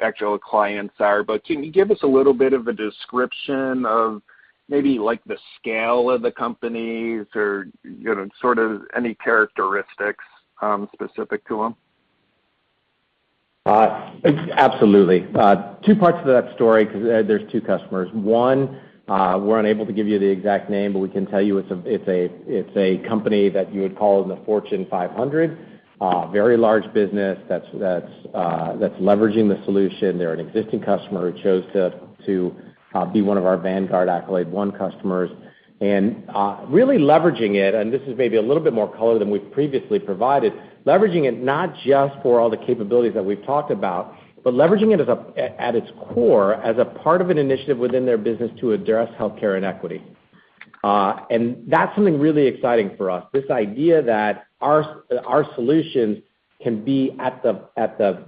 actual clients are. Can you give us a little bit of a description of maybe the scale of the companies or any characteristics specific to them? Absolutely. Two parts to that story because there's two customers. One, we're unable to give you the exact name, but we can tell you it's a company that you would call in the Fortune 500. Very large business that's leveraging the solution. They're an existing customer who chose to be one of our vanguard Accolade One customers, and really leveraging it, and this is maybe a little bit more color than we've previously provided, leveraging it not just for all the capabilities that we've talked about, but leveraging it at its core as a part of an initiative within their business to address healthcare inequity. That's something really exciting for us, this idea that our solutions can be at the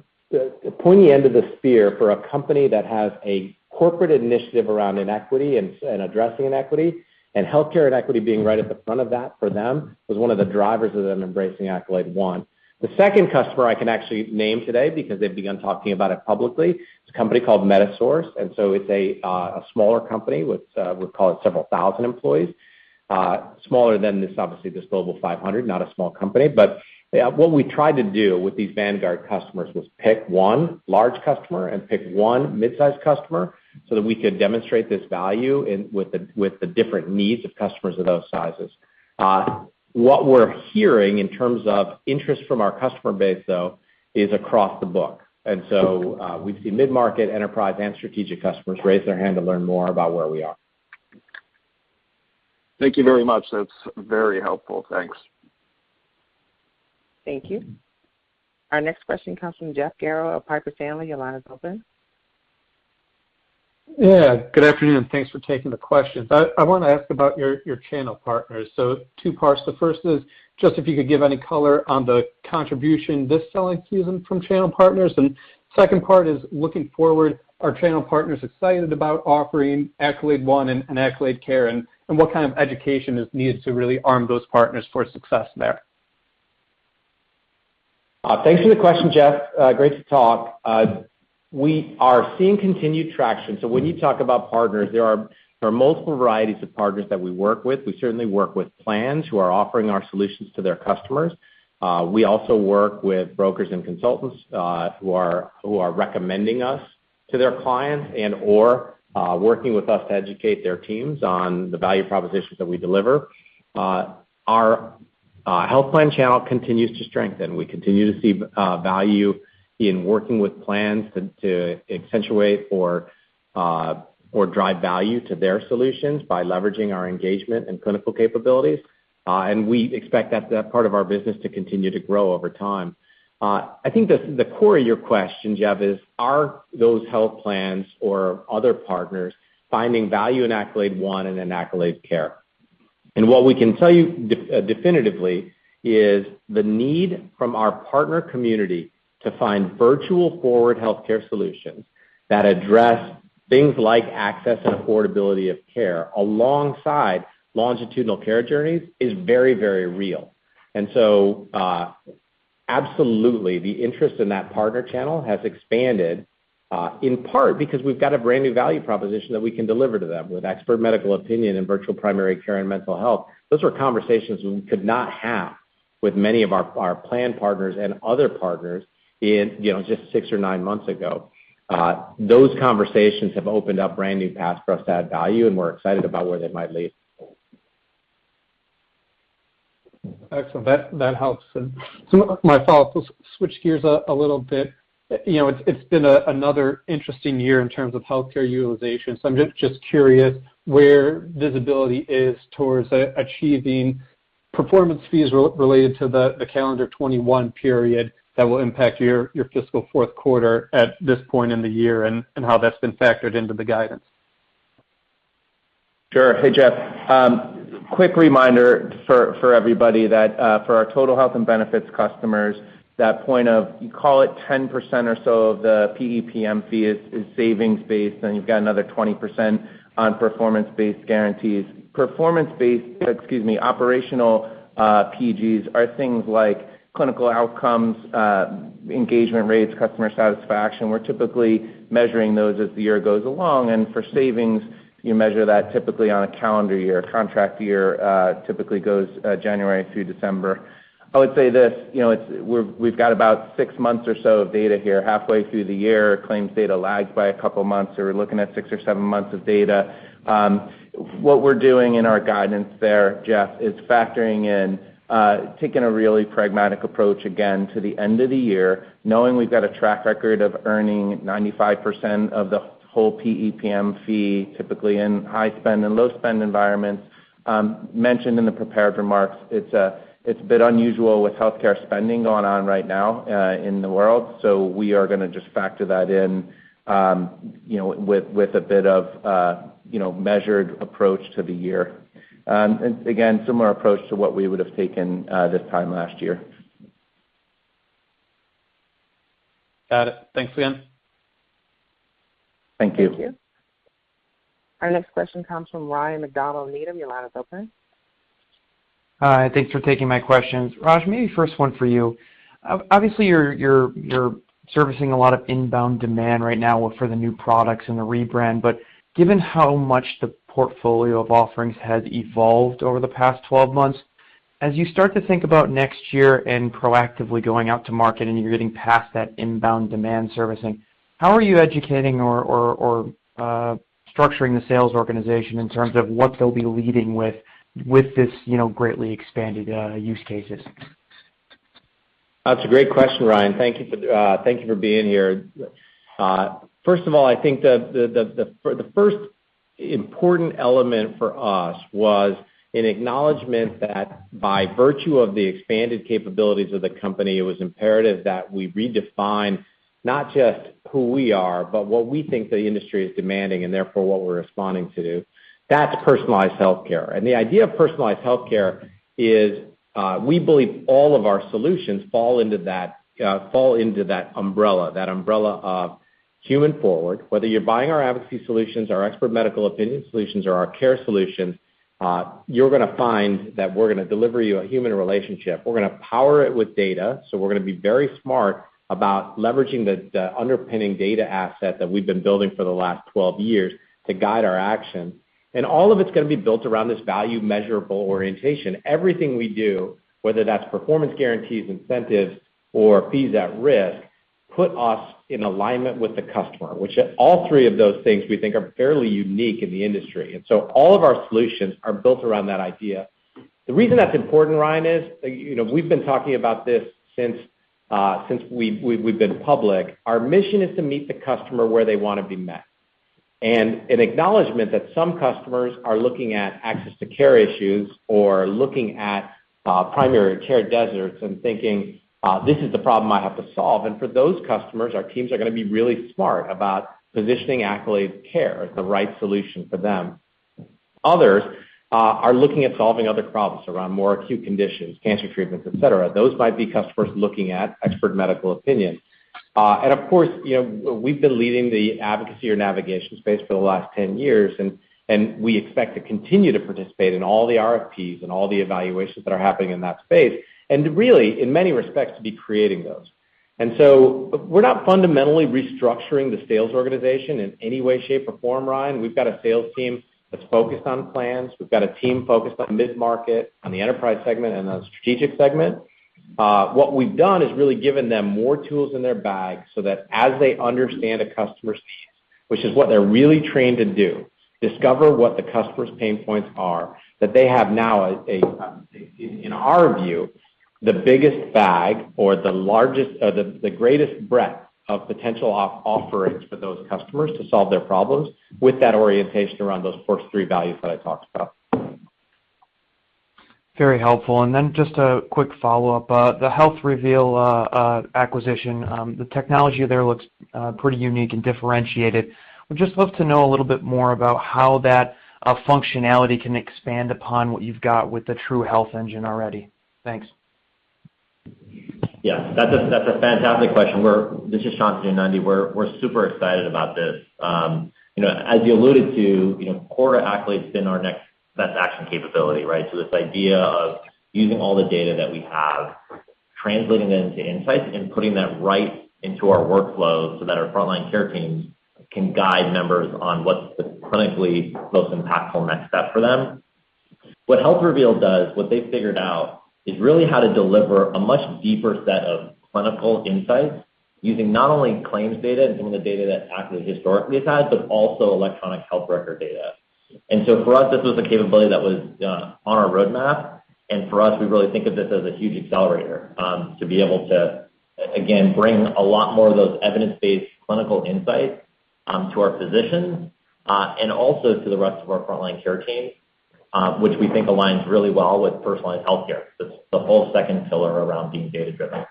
pointy end of the spear for a company that has a corporate initiative around inequity and addressing inequity, and healthcare inequity being right at the front of that for them was one of the drivers of them embracing Accolade One. The second customer I can actually name today because they've begun talking about it publicly, it's a company called MetaSource. It's a smaller company with, we'll call it several thousand employees. Smaller than this, obviously, this Fortune Global 500, not a small company. What we tried to do with these vanguard customers was pick one large customer and pick one midsize customer so that we could demonstrate this value with the different needs of customers of those sizes. What we're hearing in terms of interest from our customer base, though, is across the book. We see mid-market, enterprise, and strategic customers raise their hand to learn more about where we are. Thank you very much. That's very helpful. Thanks. Thank you. Our next question comes from Jeff Garro of Piper Sandler. Your line is open. Yeah, good afternoon, and thanks for taking the questions. I want to ask about your channel partners. Two parts. The first is just if you could give any color on the contribution this selling season from channel partners. Second part is, looking forward, are channel partners excited about offering Accolade One and Accolade Care, and what kind of education is needed to really arm those partners for success there? Thanks for the question, Jeff. Great to talk. We are seeing continued traction. So when you talk about partners, there are multiple varieties of partners that we work with. We certainly work with plans who are offering our solutions to their customers. We also work with brokers and consultants, who are recommending us to their clients and/or working with us to educate their teams on the value propositions that we deliver. Our health plan channel continues to strengthen. We continue to see value in working with plans to accentuate or drive value to their solutions by leveraging our engagement and clinical capabilities. We expect that part of our business to continue to grow over time. I think the core of your question, Jeff, is are those health plans or other partners finding value in Accolade One and in Accolade Care? What we can tell you definitively is the need from our partner community to find virtual forward healthcare solutions that address things like access and affordability of care alongside longitudinal care journeys is very, very real. Absolutely, the interest in that partner channel has expanded, in part because we've got a brand-new value proposition that we can deliver to them with expert medical opinion in virtual primary care and mental health. Those were conversations we could not have with many of our plan partners and other partners in just six or nine months ago. Those conversations have opened up brand-new paths for us to add value, and we're excited about where they might lead. Excellent. That helps. Some of my follow-up. Let's switch gears a little bit. It's been another interesting year in terms of healthcare utilization, so I'm just curious where visibility is towards achieving performance fees related to the calendar 2021 period that will impact your fiscal fourth quarter at this point in the year and how that's been factored into the guidance. Sure. Hey, Jeff. Quick reminder for everybody that for our Accolade Total Health and Benefits customers, that point of, you call it 10% or so of the PEPM fee is savings-based, then you've got another 20% on Performance Guarantees. Performance-based, excuse me, operational PGs are things like clinical outcomes, engagement rates, customer satisfaction. We're typically measuring those as the year goes along, and for savings, you measure that typically on a calendar year. A contract year typically goes January through December. I would say this: We've got about six months or so of data here, halfway through the year. Claims data lags by a couple of months, so we're looking at six or seven months of data. What we're doing in our guidance there, Jeff, is factoring in, taking a really pragmatic approach again to the end of the year, knowing we've got a track record of earning 95% of the whole PEPM fee, typically in high-spend and low-spend environments. Mentioned in the prepared remarks, it's a bit unusual with healthcare spending going on right now in the world. We are going to just factor that in with a bit of measured approach to the year. Again, similar approach to what we would have taken this time last year. Got it. Thanks again. Thank you. Thank you. Our next question comes from Ryan MacDonald at Needham. Your line is open. Hi, thanks for taking my questions. Raj, maybe first one for you. Obviously, you're servicing a lot of inbound demand right now for the new products and the rebrand. Given how much the portfolio of offerings has evolved over the past 12 months, as you start to think about next year and proactively going out to market and you're getting past that inbound demand servicing, how are you educating or structuring the sales organization in terms of what they'll be leading with this greatly expanded use cases? That's a great question, Ryan. Thank you for being here. First of all, I think the first important element for us was an acknowledgement that by virtue of the expanded capabilities of the company, it was imperative that we redefine not just who we are, but what we think the industry is demanding, and therefore, what we're responding to. That's personalized healthcare. The idea of personalized healthcare is, we believe all of our solutions fall into that umbrella, that umbrella of human forward, whether you're buying our advocacy solutions, our expert medical opinion solutions, or our care solutions, you're going to find that we're going to deliver you a human relationship. We're going to power it with data, so we're going to be very smart about leveraging the underpinning data asset that we've been building for the last 12 years to guide our actions. All of it's going to be built around this value measurable orientation. Everything we do, whether that's Performance Guarantees, incentives, or fees at risk, put us in alignment with the customer, which all three of those things we think are fairly unique in the industry. All of our solutions are built around that idea. The reason that's important, Ryan, is we've been talking about this since we've been public. Our mission is to meet the customer where they want to be met. An acknowledgment that some customers are looking at access to care issues or looking at primary care deserts and thinking, "This is the problem I have to solve." For those customers, our teams are going to be really smart about positioning Accolade Care as the right solution for them. Others are looking at solving other problems around more acute conditions, cancer treatments, et cetera. Those might be customers looking at expert medical opinion. And of course, we've been leading the advocacy or navigation space for the last 10 years, and we expect to continue to participate in all the RFPs and all the evaluations that are happening in that space, and really, in many respects, to be creating those. So we're not fundamentally restructuring the sales organization in any way, shape, or form, Ryan. We've got a sales team that's focused on plans. We've got a team focused on mid-market, on the enterprise segment, and the strategic segment. What we've done is really given them more tools in their bag so that as they understand a customer's needs, which is what they're really trained to do, discover what the customer's pain points are, that they have now, in our view, the biggest bag or the greatest breadth of potential offerings for those customers to solve their problems with that orientation around those first 3 values that I talked about. Very helpful. Just a quick follow-up. The HealthReveal acquisition, the technology there looks pretty unique and differentiated. I would just love to know a little bit more about how that functionality can expand upon what you've got with the True Health Engine already. Thanks. Yeah. That's a fantastic question. This is Shantanu Nundy. We're super excited about this. As you alluded to, core to Accolade has been our next best action capability, right? This idea of using all the data that we have, translating that into insights, and putting that right into our workflows so that our frontline care teams can guide members on what's the clinically most impactful next step for them. What HealthReveal does, what they figured out is really how to deliver a much deeper set of clinical insights using not only claims data and some of the data that Accolade historically has had, but also electronic health record data. For us, this was a capability that was on our roadmap, and for us, we really think of this as a huge accelerator, to be able to, again, bring a lot more of those evidence-based clinical insights to our physicians, and also to the rest of our frontline care team, which we think aligns really well with personalized healthcare. The whole second pillar around being data-driven.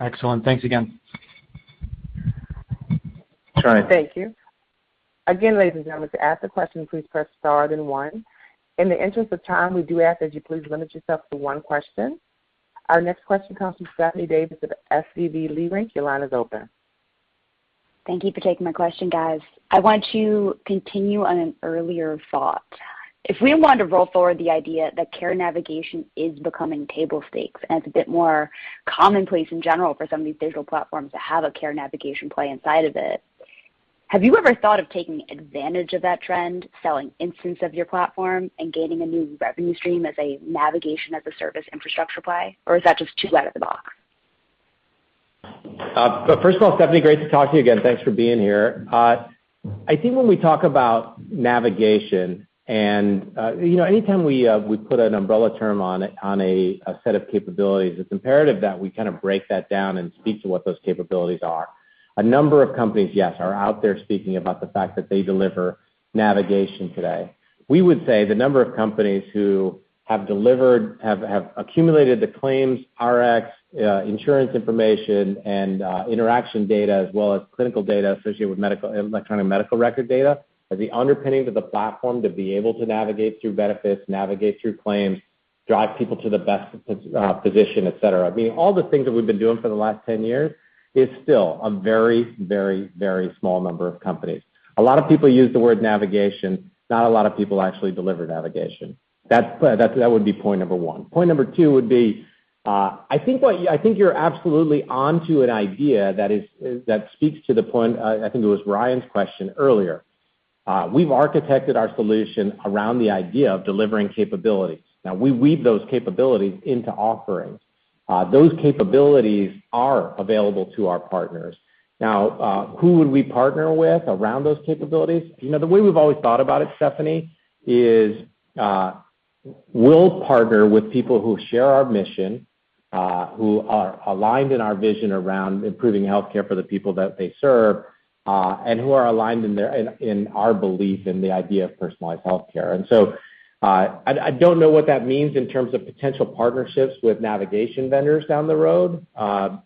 Excellent. Thanks again. Sure. Thank you. Again, ladies and gentlemen, to ask a question, please press star then one. In the interest of time, we do ask that you please limit yourself to one question. Our next question comes from Stephanie Davis of SVB Leerink. Your line is open. Thank you for taking my question, guys. I want to continue on an earlier thought. If we want to roll forward the idea that care navigation is becoming table stakes, and it's a bit more commonplace in general for some of these digital platforms to have a care navigation play inside of it, have you ever thought of taking advantage of that trend, selling instance of your platform, and gaining a new revenue stream as a navigation as a service infrastructure play? Or is that just too out of the box? First of all, Stephanie, great to talk to you again. Thanks for being here. I think when we talk about navigation and, anytime we put an umbrella term on a set of capabilities, it's imperative that we break that down and speak to what those capabilities are. A number of companies, yes, are out there speaking about the fact that they deliver navigation today. We would say the number of companies who have delivered, have accumulated the claims, Rx, insurance information, and interaction data, as well as clinical data associated with electronic medical record data, are the underpinning to the platform to be able to navigate through benefits, navigate through claims, drive people to the best physician, et cetera. I mean, all the things that we've been doing for the last 10 years is still a very small number of companies. A lot of people use the word navigation. Not a lot of people actually deliver navigation. That would be point number one. Point number two would be, I think you're absolutely onto an idea that speaks to the point, I think it was Ryan's question earlier. We've architected our solution around the idea of delivering capabilities. We weave those capabilities into offerings. Those capabilities are available to our partners. Who would we partner with around those capabilities? The way we've always thought about it, Stephanie, is we'll partner with people who share our mission, who are aligned in our vision around improving healthcare for the people that they serve, and who are aligned in our belief in the idea of personalized healthcare. I don't know what that means in terms of potential partnerships with navigation vendors down the road. I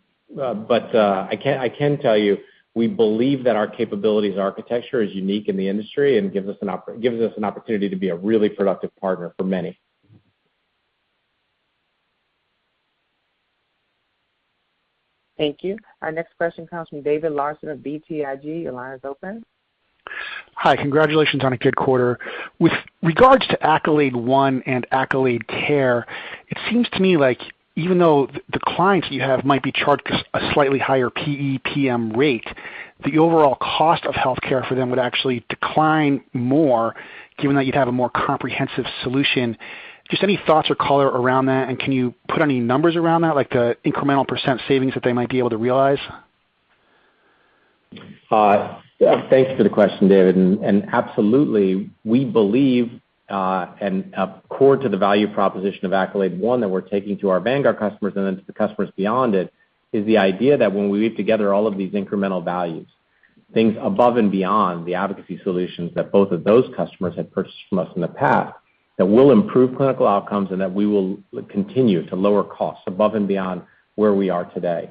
can tell you, we believe that our capabilities architecture is unique in the industry and gives us an opportunity to be a really productive partner for many. Thank you. Our next question comes from David Larsen of BTIG. Your line is open. Hi. Congratulations on a good quarter. With regards to Accolade One and Accolade Care, it seems to me like even though the clients you have might be charged a slightly higher PEPM rate, the overall cost of healthcare for them would actually decline more, given that you'd have a more comprehensive solution. Just any thoughts or color around that, and can you put any numbers around that, like the incremental percent savings that they might be able to realize? Thanks for the question, David. Absolutely, we believe, and core to the value proposition of Accolade One that we're taking to our Vanguard customers and then to the customers beyond it, is the idea that when we weave together all of these incremental values, things above and beyond the advocacy solutions that both of those customers had purchased from us in the past, that we'll improve clinical outcomes, and that we will continue to lower costs above and beyond where we are today.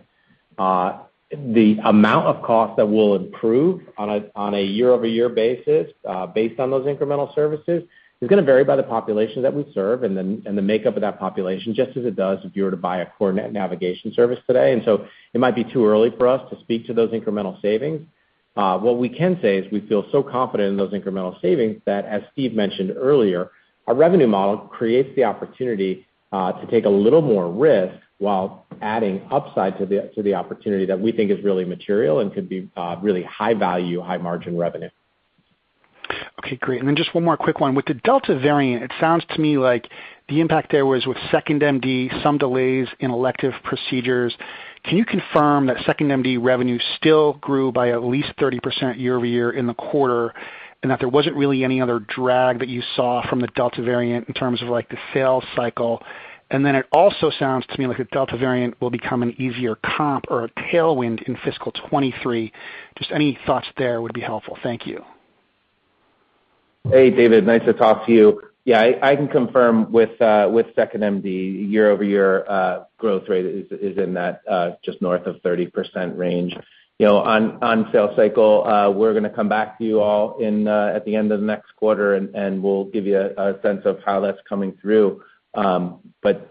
The amount of cost that we'll improve on a year-over-year basis, based on those incremental services, is going to vary by the population that we serve and the makeup of that population, just as it does if you were to buy a coordinate navigation service today. It might be too early for us to speak to those incremental savings. What we can say is we feel so confident in those incremental savings that, as Steve mentioned earlier, our revenue model creates the opportunity to take a little more risk while adding upside to the opportunity that we think is really material and could be really high value, high margin revenue. Okay, great. Just one more quick one. With the Delta variant, it sounds to me like the impact there was with 2nd.MD, some delays in elective procedures. Can you confirm that 2nd.MD revenue still grew by at least 30% year-over-year in the quarter, and that there wasn't really any other drag that you saw from the Delta variant in terms of the sales cycle? It also sounds to me like the Delta variant will become an easier comp or a tailwind in FY 2023. Just any thoughts there would be helpful. Thank you. Hey, David. Nice to talk to you. Yeah, I can confirm with 2nd.MD, year-over-year growth rate is in that just north of 30% range. On sales cycle, we're going to come back to you all at the end of next quarter, and we'll give you a sense of how that's coming through. For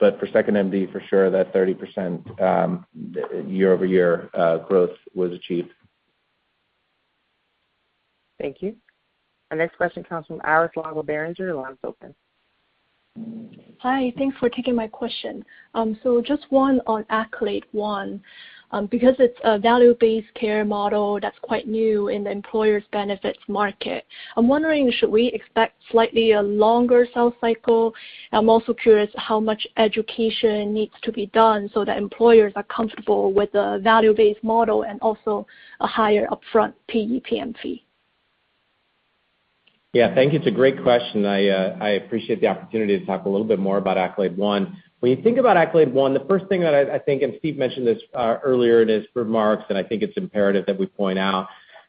2nd.MD, for sure that 30% year-over-year growth was achieved. Thank you. Our next question comes from Iris Long of Berenberg. Your line is open. Hi, thanks for taking my question. Just one on Accolade One. Because it's a value-based care model that's quite new in the employers' benefits market, I'm wondering, should we expect slightly a longer sales cycle? I'm also curious how much education needs to be done so that employers are comfortable with the value-based model and also a higher upfront PEPM fee. Thank you. It's a great question. I appreciate the opportunity to talk a little bit more about Accolade One. When you think about Accolade One, the first thing that I think, and Steve mentioned this earlier in his remarks, and I think it's imperative that we point out.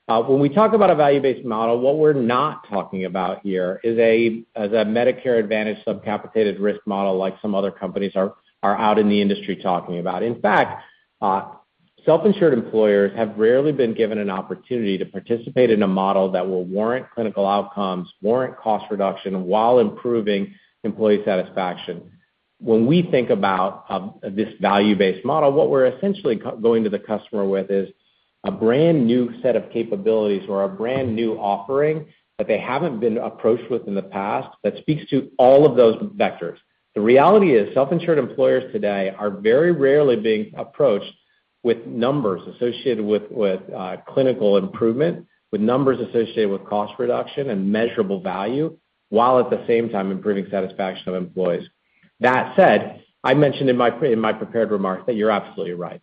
When we talk about a value-based model, what we're not talking about here is a Medicare Advantage sub-capitated risk model like some other companies are out in the industry talking about. In fact, self-insured employers have rarely been given an opportunity to participate in a model that will warrant clinical outcomes, warrant cost reduction, while improving employee satisfaction. When we think about this value-based model, what we're essentially going to the customer with is a brand-new set of capabilities or a brand-new offering that they haven't been approached with in the past that speaks to all of those vectors. The reality is, self-insured employers today are very rarely being approached with numbers associated with clinical improvement, with numbers associated with cost reduction and measurable value, while at the same time improving satisfaction of employees. That said, I mentioned in my prepared remarks, that you're absolutely right.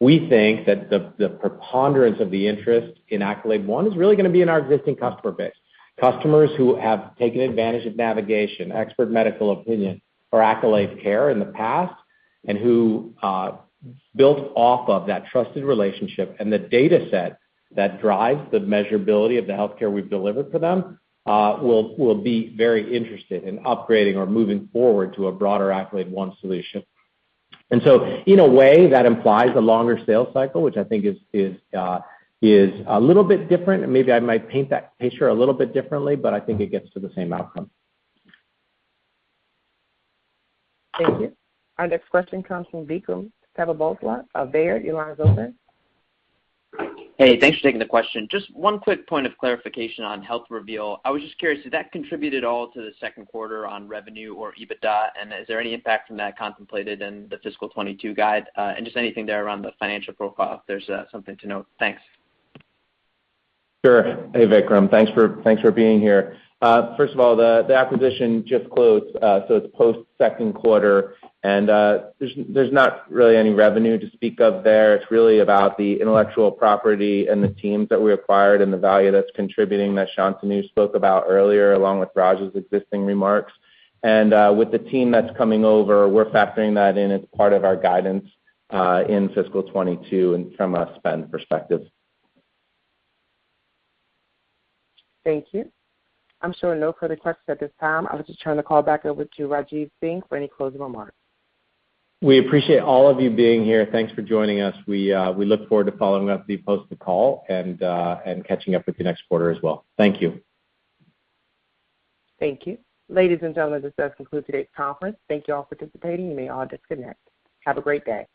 We think that the preponderance of the interest in Accolade One is really going to be in our existing customer base. Customers who have taken advantage of navigation, expert medical opinion, or Accolade Care in the past, and who built off of that trusted relationship and the data set that drives the measurability of the healthcare we've delivered for them, will be very interested in upgrading or moving forward to a broader Accolade One solution. In a way, that implies a longer sales cycle, which I think is a little bit different, and maybe I might paint that picture a little bit differently, but I think it gets to the same outcome. Thank you. Our next question comes from Vikram Kesavabhotla of Baird. Your line is open. Hey, thanks for taking the question. Just one quick point of clarification on HealthReveal. I was just curious, did that contribute at all to the second quarter on revenue or EBITDA, and is there any impact from that contemplated in the fiscal 2022 guide? Just anything there around the financial profile, if there's something to note. Thanks. Sure. Hey, Vikram. Thanks for being here. First of all, the acquisition just closed, so it's post second quarter, and there's not really any revenue to speak of there. It's really about the intellectual property and the teams that we acquired and the value that's contributing that Shantanu spoke about earlier, along with Rajeev's existing remarks. With the team that's coming over, we're factoring that in as part of our guidance in fiscal 2022 and from a spend perspective. Thank you. I'm showing no further questions at this time. I'll just turn the call back over to Rajeev Singh for any closing remarks. We appreciate all of you being here. Thanks for joining us. We look forward to following up with you post the call and catching up with you next quarter as well. Thank you. Thank you. Ladies and gentlemen, this does conclude today's conference. Thank you all for participating. You may all disconnect. Have a great day.